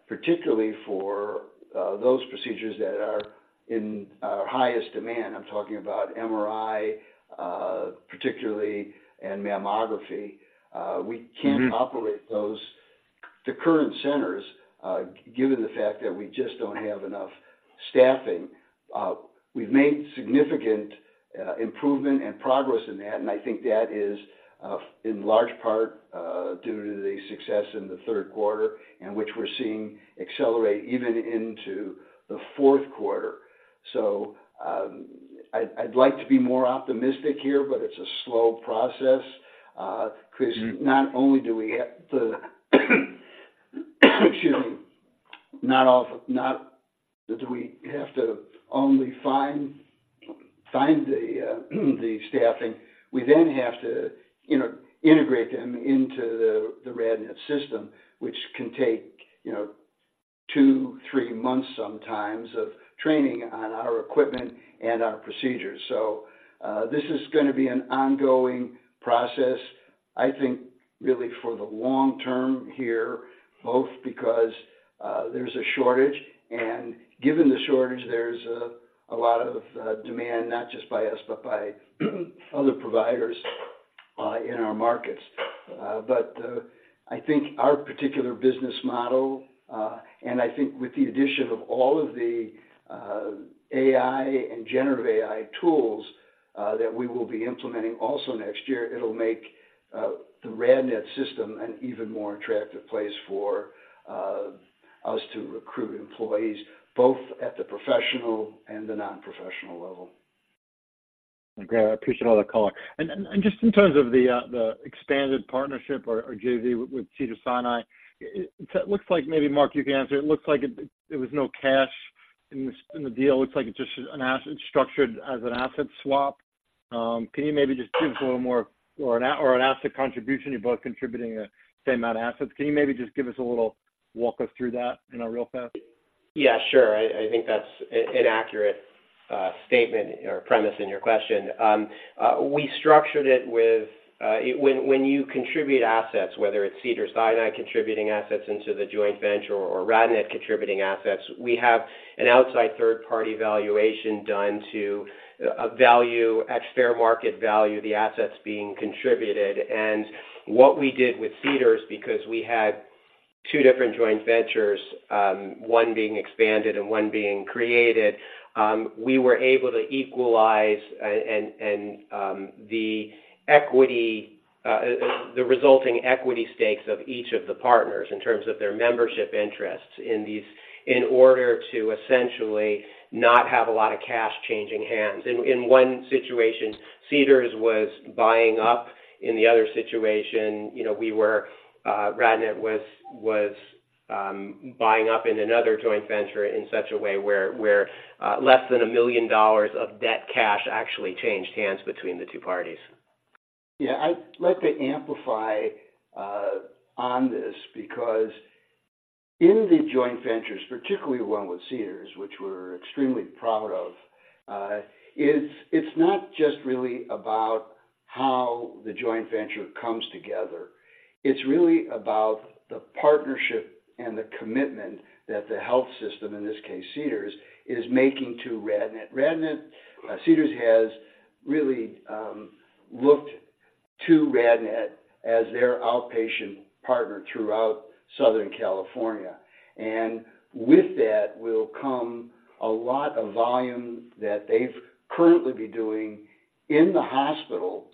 particularly for those procedures that are in our highest demand. I'm talking about MRI, particularly, and mammography. We can't operate those, the current centers, given the fact that we just don't have enough staffing. We've made significant improvement and progress in that, and I think that is, in large part, due to the success in the third quarter, and which we're seeing accelerate even into the fourth quarter. So, I'd like to be more optimistic here, but it's a slow process, because- Not only do we have to find the staffing, we then have to, you know, integrate them into the RadNet system, which can take, you know, two, three months sometimes of training on our equipment and our procedures. So, this is gonna be an ongoing process, I think, really for the long term here, both because there's a shortage, and given the shortage, there's a lot of demand, not just by us, but by other providers in our markets. But, I think our particular business model, and I think with the addition of all of the AI and Generative AI tools that we will be implementing also next year, it'll make the RadNet system an even more attractive place for us to recruit employees, both at the professional and the non-professional level. Great. I appreciate all the color. And just in terms of the expanded partnership or JV with Cedars-Sinai, it looks like maybe, Mark, you can answer it. It looks like there was no cash in this in the deal. It looks like it's just an asset, structured as an asset swap. Can you maybe just give us a little more, or an asset contribution? You're both contributing the same amount of assets. Can you maybe just give us a little, Walk us through that, you know, real fast? Yeah, sure. I think that's an accurate statement or premise in your question. We structured it with... When you contribute assets, whether it's Cedars-Sinai contributing assets into the joint venture or RadNet contributing assets, we have an outside third-party valuation done to value at fair market value the assets being contributed. And what we did with Cedars, because we had two different joint ventures, one being expanded and one being created, we were able to equalize the equity, the resulting equity stakes of each of the partners in terms of their membership interests in these, in order to essentially not have a lot of cash changing hands. In one situation, Cedars was buying up. In the other situation, you know, we were RadNet was buying up in another joint venture in such a way where less than $1 million of debt cash actually changed hands between the two parties. Yeah, I'd like to amplify on this because in the joint ventures, particularly the one with Cedars, which we're extremely proud of, is it's not just really about how the joint venture comes together. It's really about the partnership and the commitment that the health system, in this case, Cedars, is making to RadNet. RadNet, Cedars has really looked to RadNet as their outpatient partner throughout Southern California. And with that will come a lot of volume that they've currently be doing in the hospital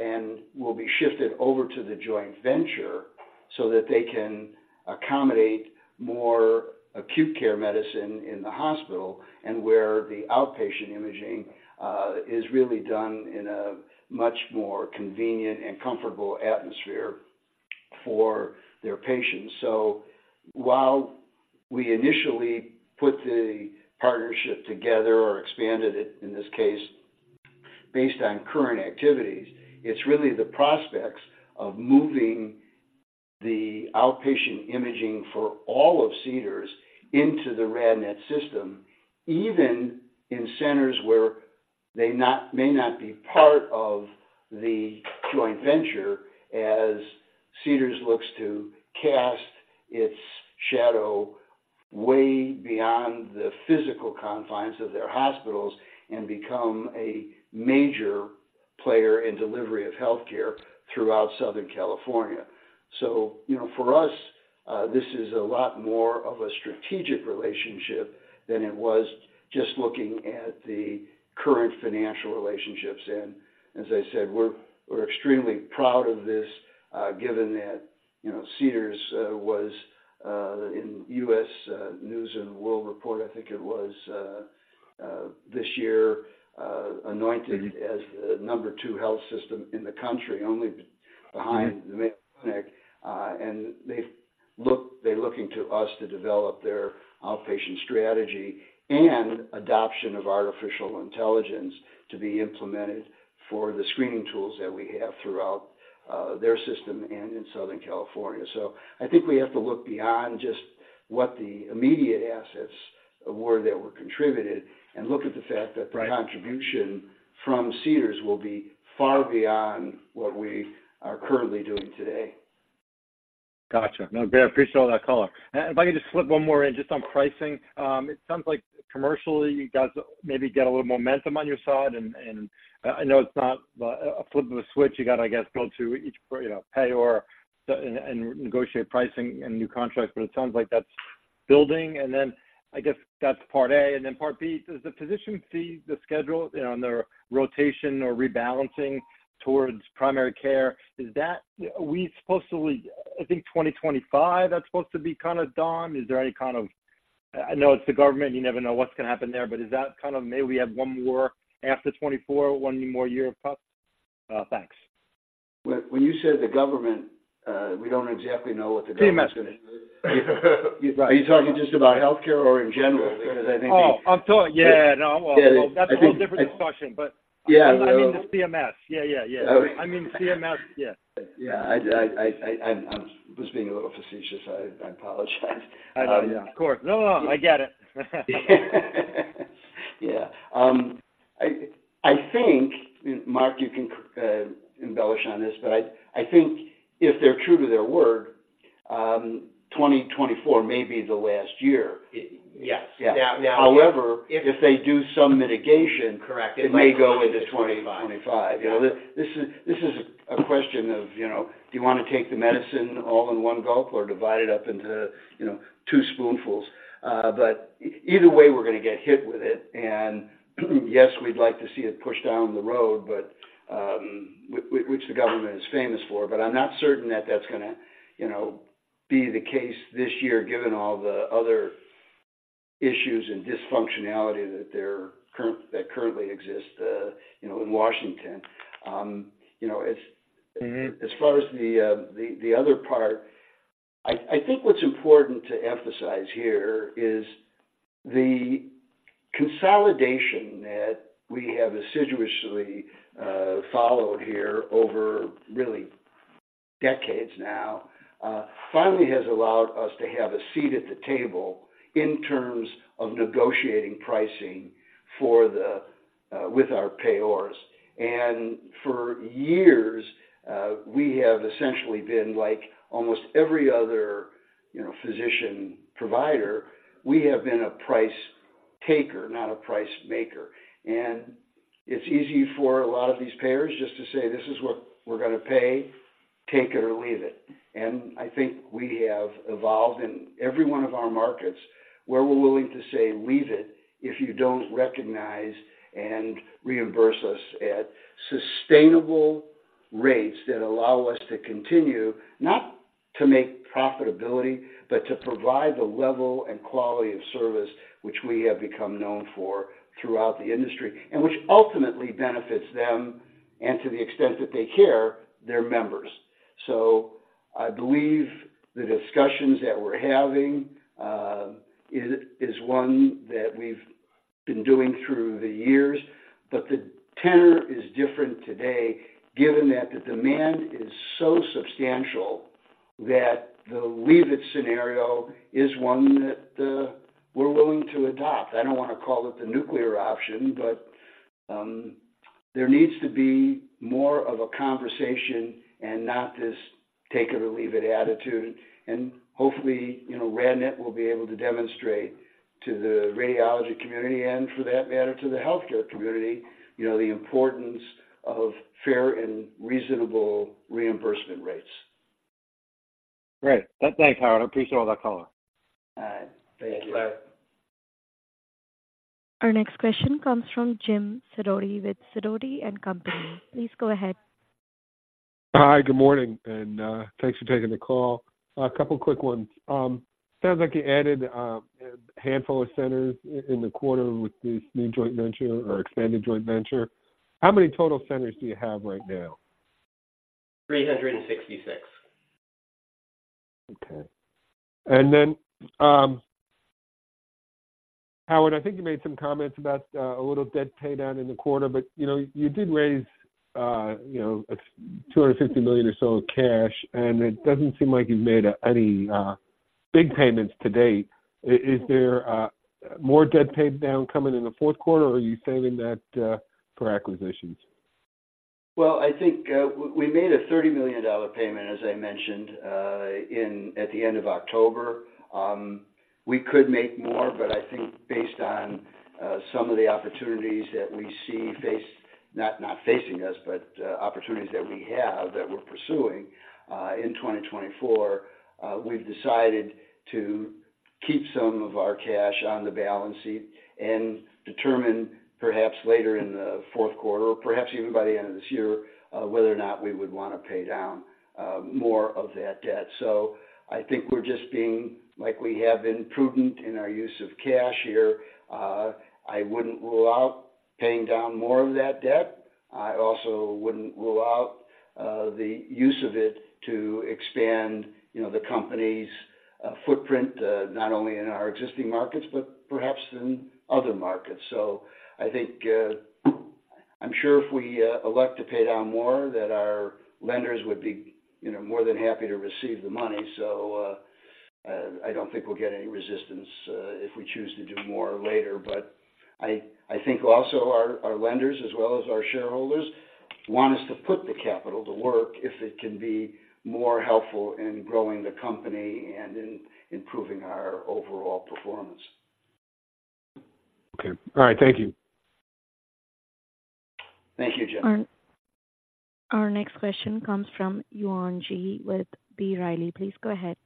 and will be shifted over to the joint venture so that they can accommodate more acute care medicine in the hospital, and where the outpatient imaging is really done in a much more convenient and comfortable atmosphere for their patients. So while we initially put the partnership together or expanded it, in this case. Based on current activities, it's really the prospects of moving the outpatient imaging for all of Cedars into the RadNet system, even in centers where they may not be part of the joint venture, as Cedars looks to cast its shadow way beyond the physical confines of their hospitals and become a major player in delivery of healthcare throughout Southern California. So, you know, for us, this is a lot more of a strategic relationship than it was just looking at the current financial relationships. And as I said, we're extremely proud of this, given that, you know, Cedars was in U.S. News & World Report, I think it was this year, anointed as the number two health system in the country, only behind the And they've looked. They're looking to us to develop their outpatient strategy and adoption of artificial intelligence to be implemented for the screening tools that we have throughout their system and in Southern California. So I think we have to look beyond just what the immediate assets were that were contributed and look at the fact that Right The contribution from Cedars will be far beyond what we are currently doing today. Got you. No, I appreciate all that color. And if I could just slip one more in, just on pricing. It sounds like commercially, you guys maybe get a little momentum on your side, and, and I know it's not a flip of a switch. You got, I guess, go to each, you know, payer or, and, and negotiate pricing and new contracts, but it sounds like that's building. And then I guess that's part A, and then part B, does the physician see the schedule, you know, on their rotation or rebalancing towards primary care? Is that, we supposedly, I think 2025, that's supposed to be kind of done. Is there any kind of, I know it's the government, you never know what's going to happen there, but is that kind of maybe we have one more after 2024, one more year of prep? Uh, thanks. When you said the government, we don't exactly know what the government CMS. Are you talking just about healthcare or in general? Because I think Yeah, no, well, that's a whole different discussion, but Yeah. I mean, the CMS. Yeah, yeah, yeah. Okay. I mean, CMS. Yeah. Yeah. I'm just being a little facetious. I apologize. Of course. No, no, I get it. Yeah. I think, Mark, you can embellish on this, but I think if they're true to their word, 2024 may be the last year. Yes. Yeah. However, if they do some mitigation. Correct. It may go into 2025. You know, this is a question of, you know, do you want to take the medicine all in one gulp or divide it up into, you know, 2 spoonfuls? But either way, we're going to get hit with it. And yes, we'd like to see it pushed down the road, but which the government is famous for. But I'm not certain that that's gonna, you know, be the case this year, given all the other issues and dysfunctionality that currently exist, you know, in Washington. You know, as as far as the other part, I think what's important to emphasize here is the consolidation that we have assiduously followed here over really decades now, finally has allowed us to have a seat at the table in terms of negotiating pricing for the with our payers. And for years, we have essentially been like almost every other, you know, physician provider. We have been a price taker, not a price maker. And it's easy for a lot of these payers just to say, "This is what we're gonna pay, take it or leave it." And I think we have evolved in every one of our markets where we're willing to say, "Leave it, if you don't recognize and reimburse us at sustainable rates that allow us to continue, not to make profitability, but to provide the level and quality of service which we have become known for throughout the industry, and which ultimately benefits them and to the extent that they care, their members." So I believe the discussions that we're having is one that we've been doing through the years, but the tenor is different today, given that the demand is so substantial that the leave it scenario is one that we're willing to adopt. I don't want to call it the nuclear option, but, there needs to be more of a conversation and not just take it or leave it attitude. Hopefully, you know, RadNet will be able to demonstrate to the radiology community, and for that matter, to the healthcare community, you know, the importance of fair and reasonable reimbursement rates. Great. Thanks, Howard. I appreciate all that color. All right. Thank you. Bye. Our next question comes from Jim Sidoti with Sidoti & Company. Please go ahead. Hi, good morning, and, thanks for taking the call. A couple quick ones. Sounds like you added a handful of centers in the quarter with this new joint venture or expanded joint venture. How many total centers do you have right now? 366. Okay. And then, Howard, I think you made some comments about a little debt pay down in the quarter, but, you know, you did raise, you know, a $250 million or so of cash, and it doesn't seem like you've made any big payments to date. Is there more debt pay down coming in the fourth quarter, or are you saving that for acquisitions? Well, I think we made a $30 million payment, as I mentioned, in at the end of October. We could make more, but I think based on some of the opportunities that we have that we're pursuing in 2024, we've decided to keep some of our cash on the balance sheet and determine perhaps later in the fourth quarter, or perhaps even by the end of this year, whether or not we would want to pay down more of that debt. So I think we're just being, like we have been, prudent in our use of cash here. I wouldn't rule out paying down more of that debt. I also wouldn't rule out the use of it to expand, you know, the company's footprint not only in our existing markets, but perhaps in other markets. So I think I'm sure if we elect to pay down more, that our lenders would be, you know, more than happy to receive the money. So I don't think we'll get any resistance if we choose to do more later. But I think also our lenders, as well as our shareholders, want us to put the capital to work if it can be more helpful in growing the company and in improving our overall performance. Okay. All right. Thank you. Thank you, Jim. Our next question comes from Yuan Zhi with B. Riley. Please go ahead.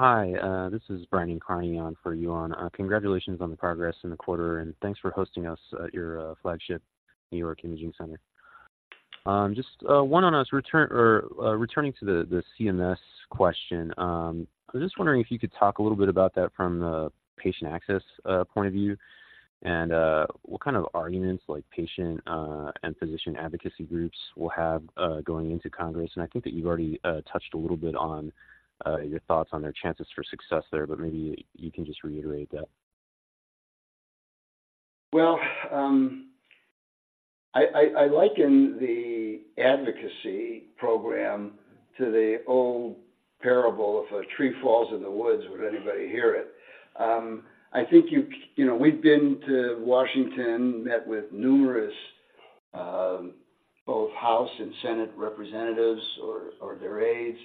Hi, this is Brandon Carney on for Yuan. Congratulations on the progress in the quarter, and thanks for hosting us at your flagship New York Imaging Center. Just one on us, return or returning to the CMS question. I was just wondering if you could talk a little bit about that from the patient access point of view, and what kind of arguments, like patient and physician advocacy groups will have going into Congress? And I think that you've already touched a little bit on your thoughts on their chances for success there, but maybe you can just reiterate that. Well, I liken the advocacy program to the old parable, if a tree falls in the woods, would anybody hear it? I think you know, we've been to Washington, met with numerous both House and Senate representatives or their aides.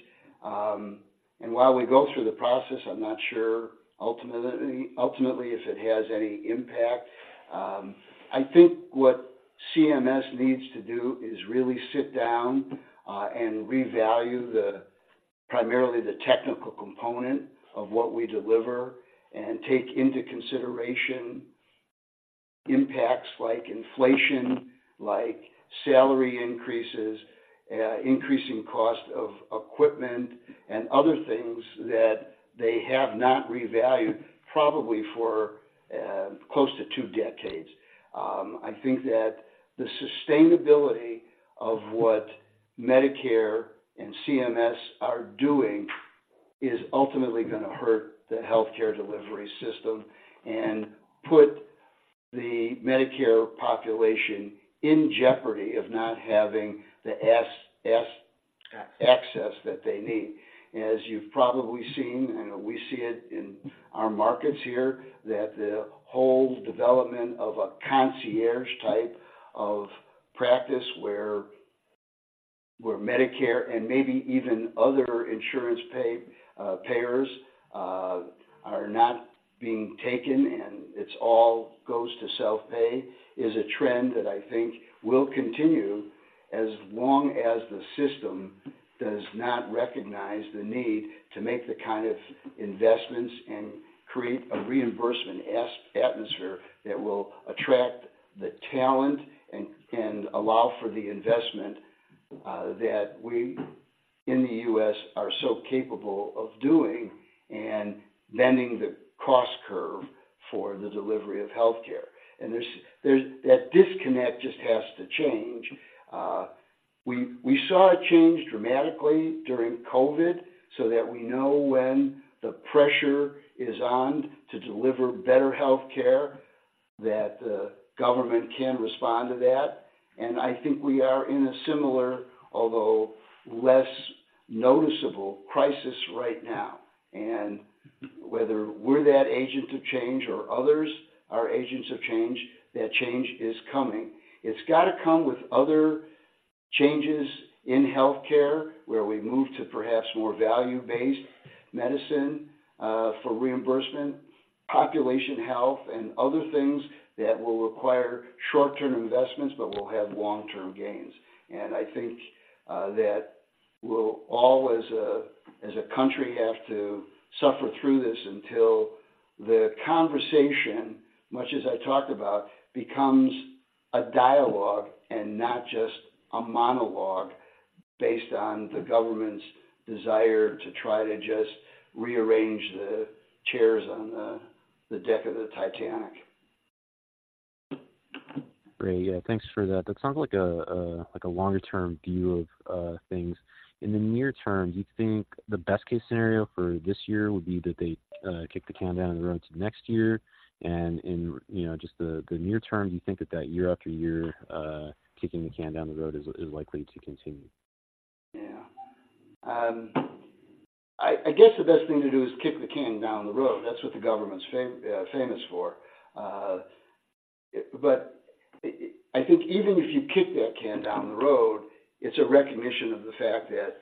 And while we go through the process, I'm not sure ultimately if it has any impact. I think what CMS needs to do is really sit down and revalue the primarily the technical component of what we deliver and take into consideration impacts like inflation, like salary increases, increasing cost of equipment and other things that they have not revalued, probably for close to two decades. I think that the sustainability of what Medicare and CMS are doing is ultimately gonna hurt the healthcare delivery system and put the Medicare population in jeopardy of not having the access that they need. As you've probably seen, and we see it in our markets here, that the whole development of a concierge type of practice where, where Medicare and maybe even other insurance payers are not being taken and it's all goes to self-pay, is a trend that I think will continue as long as the system does not recognize the need to make the kind of investments and create a reimbursement atmosphere that will attract the talent and allow for the investment that we in the U.S. are so capable of doing, and bending the cost curve for the delivery of healthcare. And there's, there's. That disconnect just has to change. We saw it change dramatically during COVID, so that we know when the pressure is on to deliver better healthcare, that the government can respond to that. And I think we are in a similar, although less noticeable, crisis right now. And whether we're that agent of change or others are agents of change, that change is coming. It's got to come with other changes in healthcare, where we move to perhaps more value-based medicine, for reimbursement, population health, and other things that will require short-term investments but will have long-term gains. I think that we'll all, as a country, have to suffer through this until the conversation, much as I talked about, becomes a dialogue and not just a monologue based on the government's desire to try to just rearrange the chairs on the deck of the Titanic. Great. Yeah, thanks for that. That sounds like a like a longer-term view of things. In the near term, do you think the best-case scenario for this year would be that they kick the can down the road to next year? And in, you know, just the near term, do you think that year after year kicking the can down the road is likely to continue? Yeah. I guess the best thing to do is kick the can down the road. That's what the government's famous for. But I think even if you kick that can down the road, it's a recognition of the fact that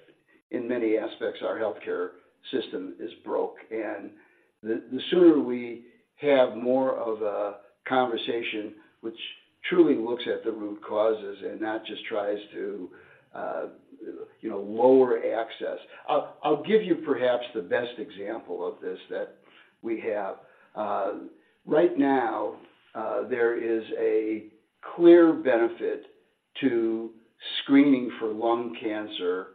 in many aspects, our healthcare system is broke, and the sooner we have more of a conversation which truly looks at the root causes and not just tries to, you know, lower access. I'll give you perhaps the best example of this that we have. Right now, there is a clear benefit to screening for lung cancer,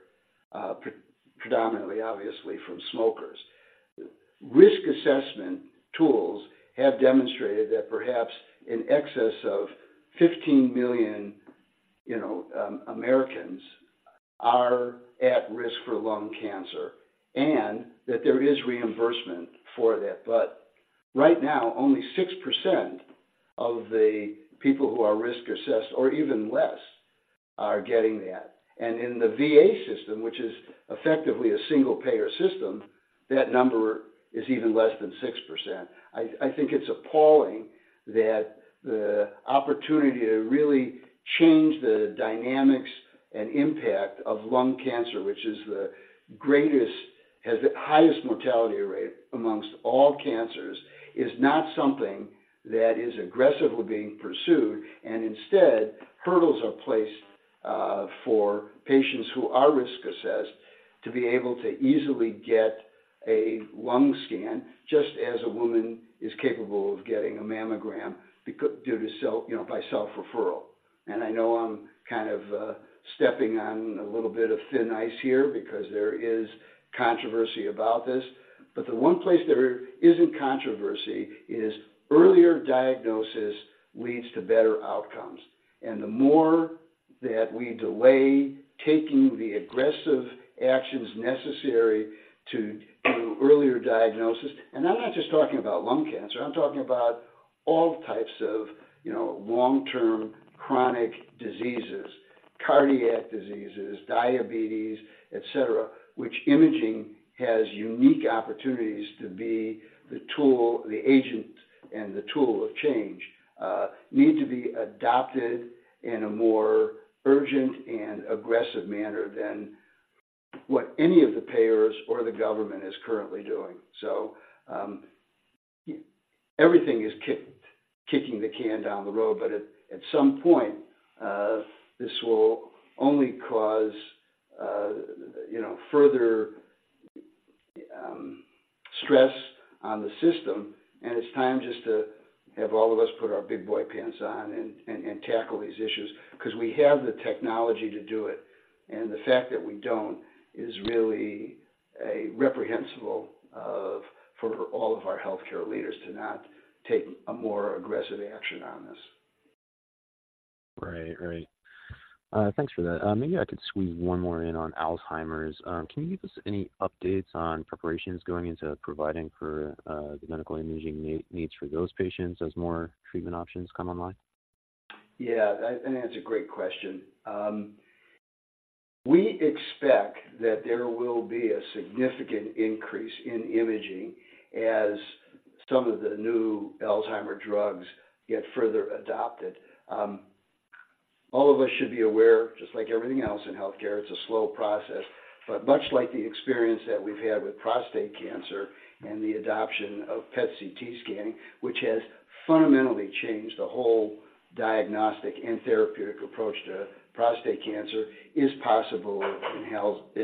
predominantly, obviously, from smokers. Risk assessment tools have demonstrated that perhaps in excess of 15 million, you know, Americans are at risk for lung cancer, and that there is reimbursement for that. But right now, only 6% of the people who are risk-assessed, or even less, are getting that. And in the VA system, which is effectively a single-payer system, that number is even less than 6%. I think it's appalling that the opportunity to really change the dynamics and impact of lung cancer, which is the greatest has the highest mortality rate amongst all cancers, is not something that is aggressively being pursued, and instead, hurdles are placed for patients who are risk-assessed to be able to easily get a lung scan, just as a woman is capable of getting a mammogram due to self, you know, by self-referral. And I know I'm kind of stepping on a little bit of thin ice here because there is controversy about this, but the one place there isn't controversy is earlier diagnosis leads to better outcomes. The more that we delay taking the aggressive actions necessary to earlier diagnosis, and I'm not just talking about lung cancer, I'm talking about all types of, you know, long-term chronic diseases, cardiac diseases, diabetes, et cetera, which imaging has unique opportunities to be the tool, the agent, and the tool of change, need to be adopted in a more urgent and aggressive manner than what any of the payers or the government is currently doing. So, everything is kicking the can down the road, but at some point, you know, further stress on the system, and it's time just to have all of us put our big boy pants on and tackle these issues because we have the technology to do it, and the fact that we don't is really a reprehensible for all of our healthcare leaders to not take a more aggressive action on this. Right. Right. Thanks for that. Maybe I could squeeze one more in on Alzheimer's. Can you give us any updates on preparations going into providing for the medical imaging needs for those patients as more treatment options come online? Yeah, and that's a great question. We expect that there will be a significant increase in imaging as some of the new Alzheimer drugs get further adopted. All of us should be aware, just like everything else in healthcare, it's a slow process, but much like the experience that we've had with prostate cancer and the adoption of PET CT scanning, which has fundamentally changed the whole diagnostic and therapeutic approach to prostate cancer, is possible in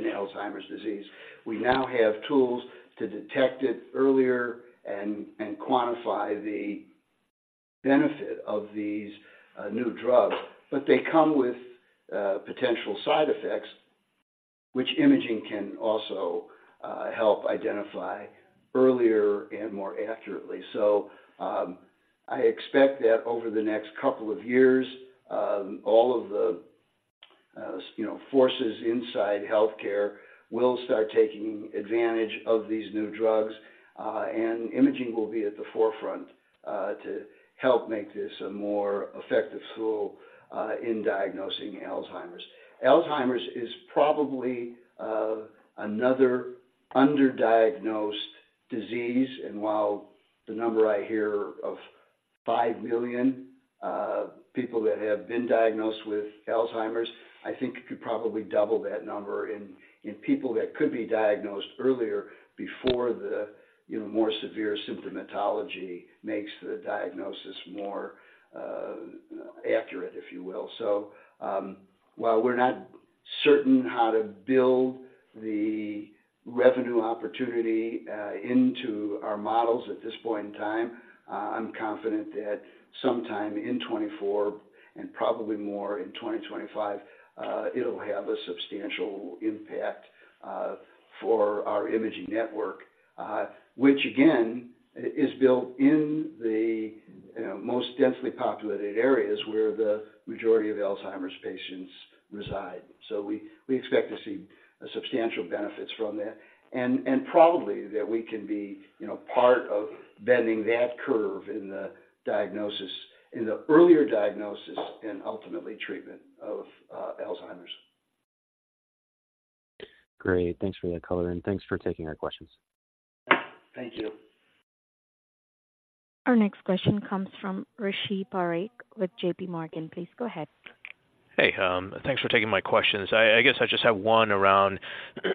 Alzheimer's disease. We now have tools to detect it earlier and quantify the benefit of these new drugs, but they come with potential side effects, which imaging can also help identify earlier and more accurately. So, I expect that over the next couple of years, all of the, you know, forces inside healthcare will start taking advantage of these new drugs, and imaging will be at the forefront, to help make this a more effective tool, in diagnosing Alzheimer's. Alzheimer's is probably, another underdiagnosed disease, and while the number I hear of 5 million, people that have been diagnosed with Alzheimer's, I think you could probably double that number in people that could be diagnosed earlier before the, you know, more severe symptomatology makes the diagnosis more, accurate, if you will. So, while we're not certain how to build the revenue opportunity, into our models at this point in time, I'm confident that sometime in 2024 Probably more in 2025, it'll have a substantial impact for our imaging network, which again, is built in the most densely populated areas where the majority of Alzheimer's patients reside. So we, we expect to see substantial benefits from that, and, and probably that we can be, you know, part of bending that curve in the diagnosis, in the earlier diagnosis and ultimately treatment of Alzheimer's. Great. Thanks for that color, and thanks for taking our questions. Thank you. Our next question comes from Rishi Parekh with J.P. Morgan. Please go ahead. Hey, thanks for taking my questions. I guess I just have one around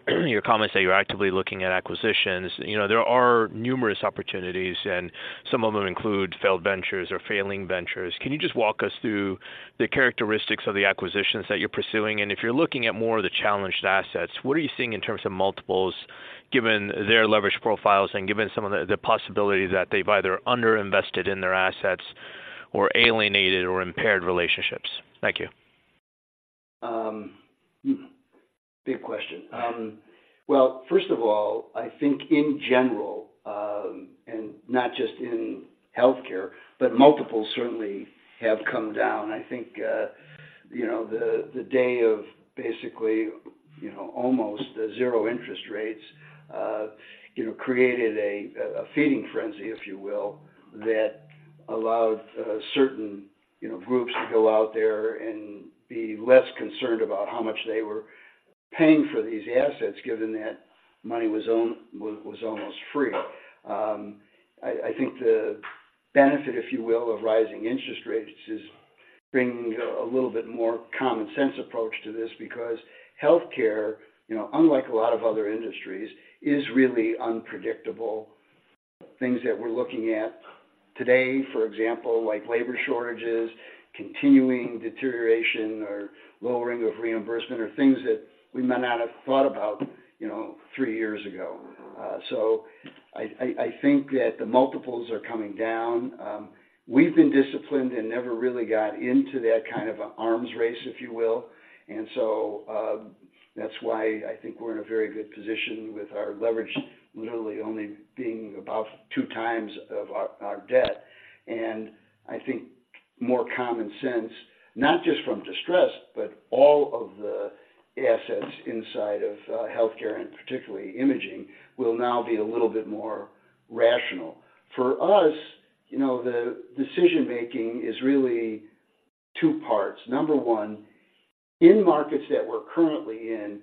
your comments that you're actively looking at acquisitions. You know, there are numerous opportunities, and some of them include failed ventures or failing ventures. Can you just walk us through the characteristics of the acquisitions that you're pursuing? And if you're looking at more of the challenged assets, what are you seeing in terms of multiples, given their leverage profiles and given some of the possibilities that they've either underinvested in their assets or alienated or impaired relationships? Thank you. Big question. Well, first of all, I think in general, and not just in healthcare, but multiples certainly have come down. I think, you know, the day of basically, you know, almost zero interest rates, you know, created a Feeding Frenzy, if you will, that allowed certain, you know, groups to go out there and be less concerned about how much they were paying for these assets, given that money was almost free. I think the benefit, if you will, of rising interest rates is bringing a little bit more common sense approach to this, because healthcare, you know, unlike a lot of other industries, is really unpredictable. Things that we're looking at today, for example, like labor shortages, continuing deterioration or lowering of reimbursement are things that we might not have thought about, you know, three years ago. So I think that the multiples are coming down. We've been disciplined and never really got into that kind of arms race, if you will. And so, that's why I think we're in a very good position with our leverage literally only being about two times of our debt. And I think more common sense, not just from distressed, but all of the assets inside of, healthcare, and particularly imaging, will now be a little bit more rational. For us, you know, the decision making is really two parts. Number one, in markets that we're currently in,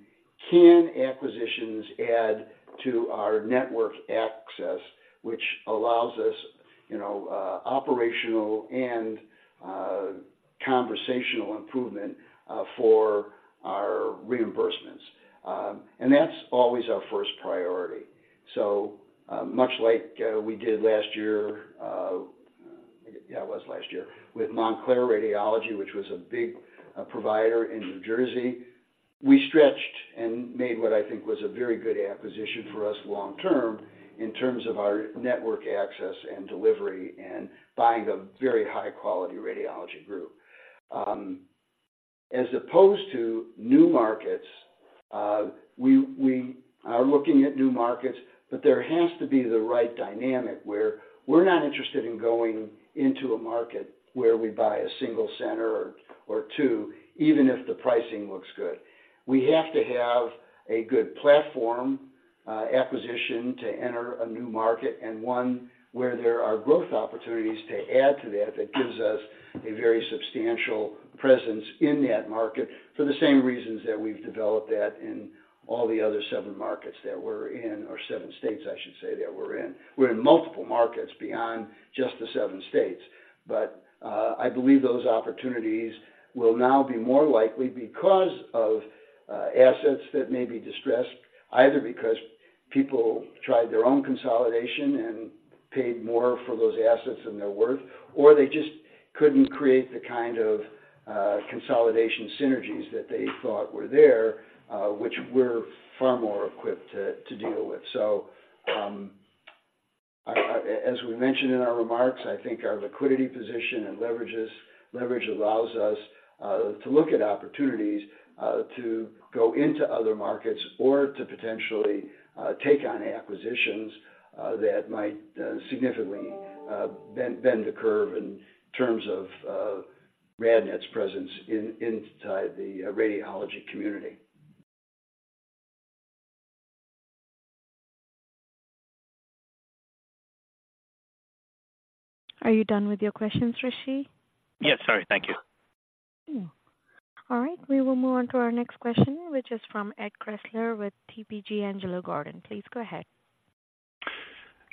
can acquisitions add to our network access, which allows us, you know, operational and contractual improvement for our reimbursements? That's always our first priority. Much like we did last year, yeah, it was last year with Montclair Radiology, which was a big provider in New Jersey. We stretched and made what I think was a very good acquisition for us long term in terms of our network access and delivery and buying a very high-quality radiology group. As opposed to new markets, we are looking at new markets, but there has to be the right dynamic, where we're not interested in going into a market where we buy a single center or two, even if the pricing looks good. We have to have a good platform, acquisition to enter a new market and one where there are growth opportunities to add to that, that gives us a very substantial presence in that market for the same reasons that we've developed that in all the other seven markets that we're in, or seven states, I should say, that we're in. We're in multiple markets beyond just the seven states. But, I believe those opportunities will now be more likely because of assets that may be distressed, either because people tried their own consolidation and paid more for those assets than they're worth, or they just couldn't create the kind of consolidation synergies that they thought were there, which we're far more equipped to deal with. As we mentioned in our remarks, I think our liquidity position and leverage allows us to look at opportunities to go into other markets or to potentially take on acquisitions that might significantly bend the curve in terms of RadNet's presence inside the radiology community. Are you done with your questions, Rishi? Yes, sorry. Thank you. All right. We will move on to our next question, which is from Ed Kressler with TPG Angelo Gordon. Please go ahead.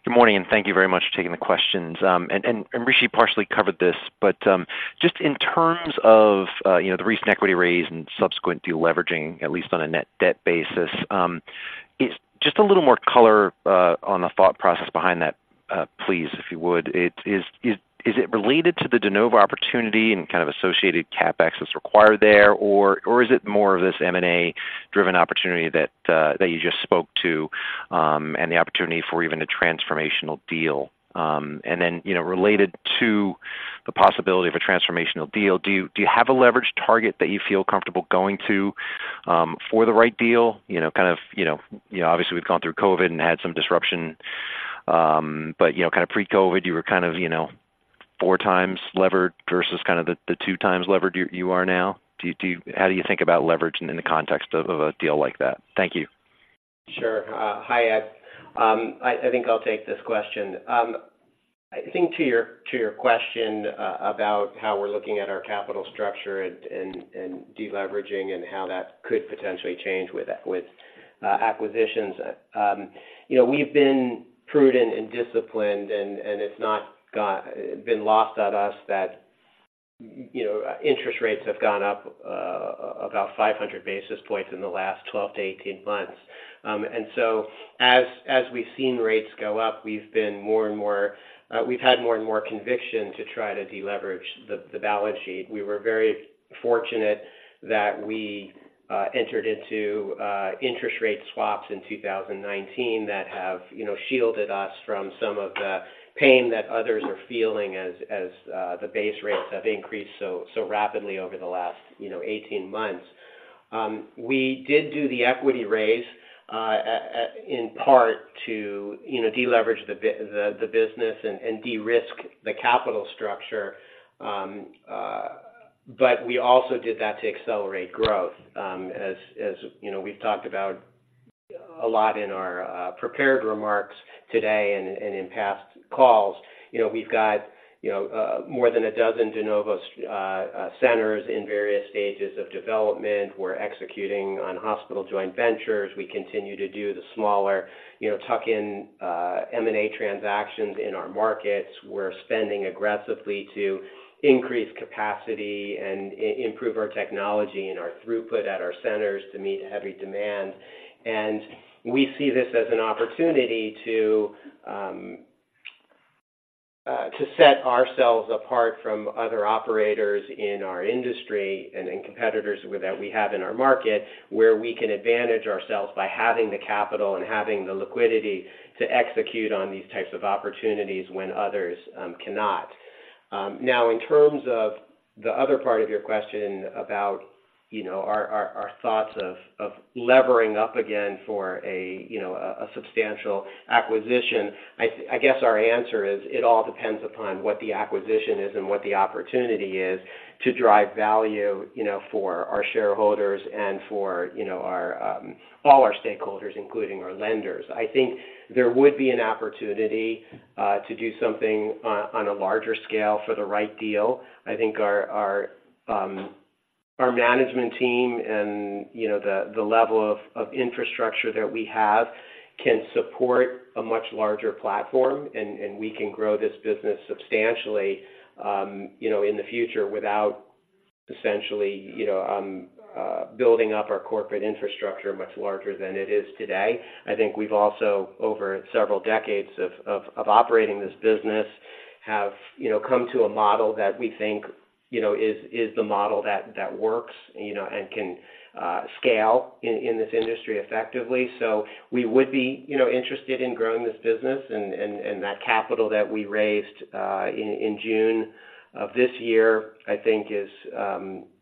Good morning, and thank you very much for taking the questions. Rishi partially covered this, but just in terms of you know the recent equity raise and subsequent deleveraging, at least on a net debt basis, just a little more color on the thought process behind that please if you would. Is it related to the De Novo opportunity and kind of associated CapEx that's required there, or is it more of this M&A-driven opportunity that you just spoke to and the opportunity for even a transformational deal? And then you know related to the possibility of a transformational deal, do you have a leverage target that you feel comfortable going to for the right deal? You know, kind of, you know, you know, obviously, we've gone through COVID and had some disruption, but, you know, kind of pre-COVID, you were kind of, you know, four times levered versus kind of the two times levered you are now. How do you think about leverage in the context of a deal like that? Thank you. Sure. Hi, Ed. I think I'll take this question. I think to your question about how we're looking at our capital structure and deleveraging and how that could potentially change with acquisitions. You know, we've been prudent and disciplined, and it's not been lost on us that, you know, interest rates have gone up about 500 basis points in the last 12-18 months. And so as we've seen rates go up, we've had more and more conviction to try to deleverage the balance sheet. We were very fortunate that we entered into interest rate swaps in 2019 that have, you know, shielded us from some of the pain that others are feeling as the base rates have increased so rapidly over the last, you know, 18 months. We did do the equity raise at, in part to, you know, deleverage the business and de-risk the capital structure. But we also did that to accelerate growth, as, as, you know, we've talked about a lot in our prepared remarks today and in past calls. You know, we've got, you know, more than a dozen de novo centers in various stages of development. We're executing on hospital joint ventures. We continue to do the smaller, you know, tuck-in M&A transactions in our markets. We're spending aggressively to increase capacity and improve our technology and our throughput at our centers to meet heavy demand. We see this as an opportunity to set ourselves apart from other operators in our industry and in competitors that we have in our market, where we can advantage ourselves by having the capital and having the liquidity to execute on these types of opportunities when others cannot. Now, in terms of the other part of your question about, you know, our thoughts of levering up again for a, you know, a substantial acquisition, I guess our answer is it all depends upon what the acquisition is and what the opportunity is to drive value, you know, for our shareholders and for, you know, all our stakeholders, including our lenders. I think there would be an opportunity to do something on a larger scale for the right deal. I think our management team and, you know, the level of infrastructure that we have can support a much larger platform, and we can grow this business substantially, you know, in the future without essentially, you know, building up our corporate infrastructure much larger than it is today. I think we've also, over several decades of operating this business, have, you know, come to a model that we think, you know, is the model that works, you know, and can scale in this industry effectively. So we would be, you know, interested in growing this business and that capital that we raised in June of this year, I think is,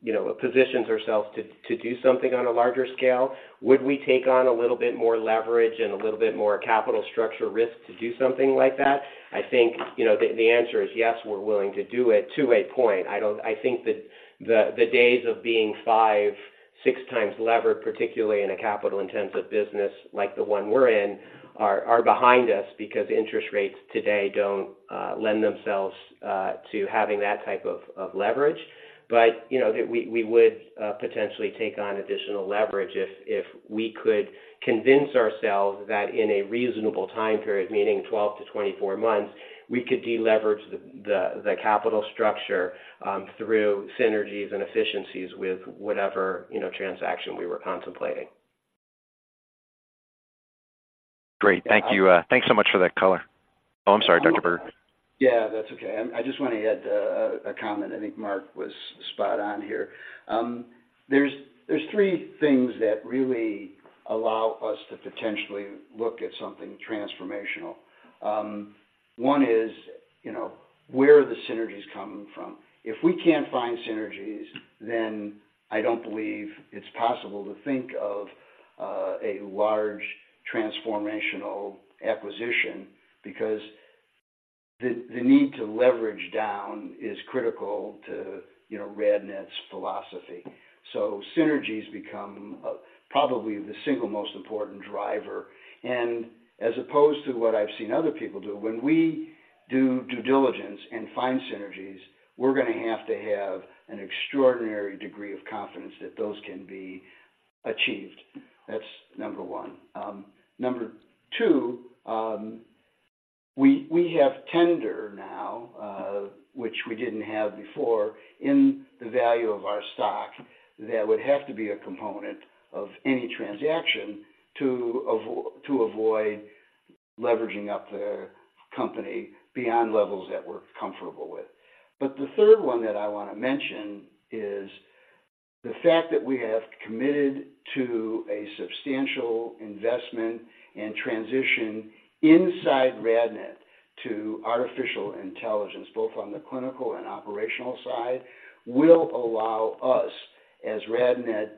you know, positions ourselves to do something on a larger scale. Would we take on a little bit more leverage and a little bit more capital structure risk to do something like that? I think, you know, the answer is yes, we're willing to do it to a point. I don't, I think that the days of being five, six times levered, particularly in a capital-intensive business like the one we're in, are behind us because interest rates today don't lend themselves to having that type of leverage. But, you know, that we would potentially take on additional leverage if we could convince ourselves that in a reasonable time period, meaning 12-24 months, we could deleverage the capital structure through synergies and efficiencies with whatever, you know, transaction we were contemplating. Great. Thank you. Thanks so much for that color. Oh, I'm sorry, Dr. Berger. Yeah, that's okay. I, I just want to add a comment. I think Mark was spot on here. There's, there's three things that really allow us to potentially look at something transformational. One is, you know, where are the synergies coming from? If we can't find synergies, then I don't believe it's possible to think of a large transformational acquisition, because the, the need to leverage down is critical to, you know, RadNet's philosophy. So synergies become probably the single most important driver. And as opposed to what I've seen other people do, when we do due diligence and find synergies, we're gonna have to have an extraordinary degree of confidence that those can be achieved. That's number one. Number two. We, we have tender now, which we didn't have before, in the value of our stock. That would have to be a component of any transaction to avoid leveraging up the company beyond levels that we're comfortable with. But the third one that I wanna mention is the fact that we have committed to a substantial investment and transition inside RadNet to artificial intelligence, both on the clinical and operational side, will allow us, as RadNet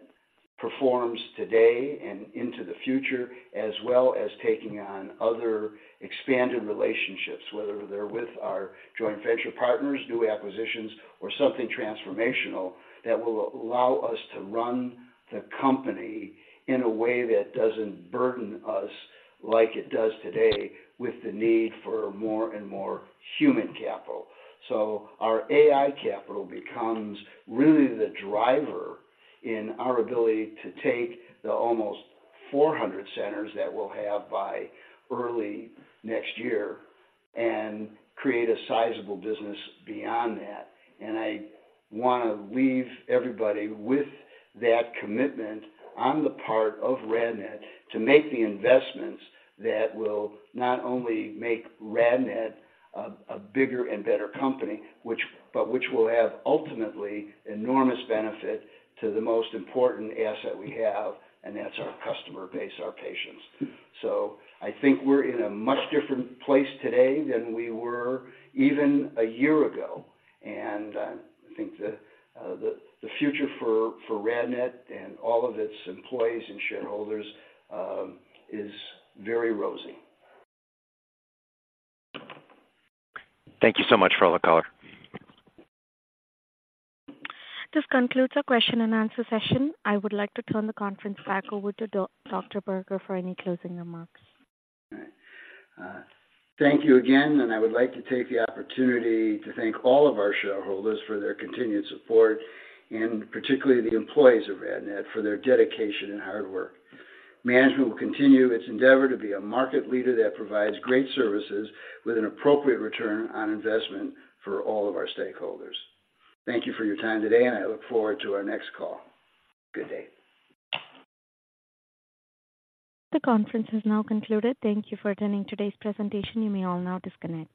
performs today and into the future, as well as taking on other expanded relationships, whether they're with our joint venture partners, new acquisitions, or something transformational, that will allow us to run the company in a way that doesn't burden us like it does today, with the need for more and more human capital. So our AI capital becomes really the driver in our ability to take the almost 400 centers that we'll have by early next year and create a sizable business beyond that. I want to leave everybody with that commitment on the part of RadNet, to make the investments that will not only make RadNet a bigger and better company, but which will have ultimately enormous benefit to the most important asset we have, and that's our customer base, our patients. So I think we're in a much different place today than we were even a year ago, and I think the future for RadNet and all of its employees and shareholders is very rosy. Thank you so much for all the color. This concludes our question and answer session. I would like to turn the conference back over to Dr. Berger for any closing remarks. All right. Thank you again, and I would like to take the opportunity to thank all of our shareholders for their continued support and particularly the employees of RadNet for their dedication and hard work. Management will continue its endeavor to be a market leader that provides great services with an appropriate return on investment for all of our stakeholders. Thank you for your time today, and I look forward to our next call. Good day. The conference is now concluded. Thank you for attending today's presentation. You may all now disconnect.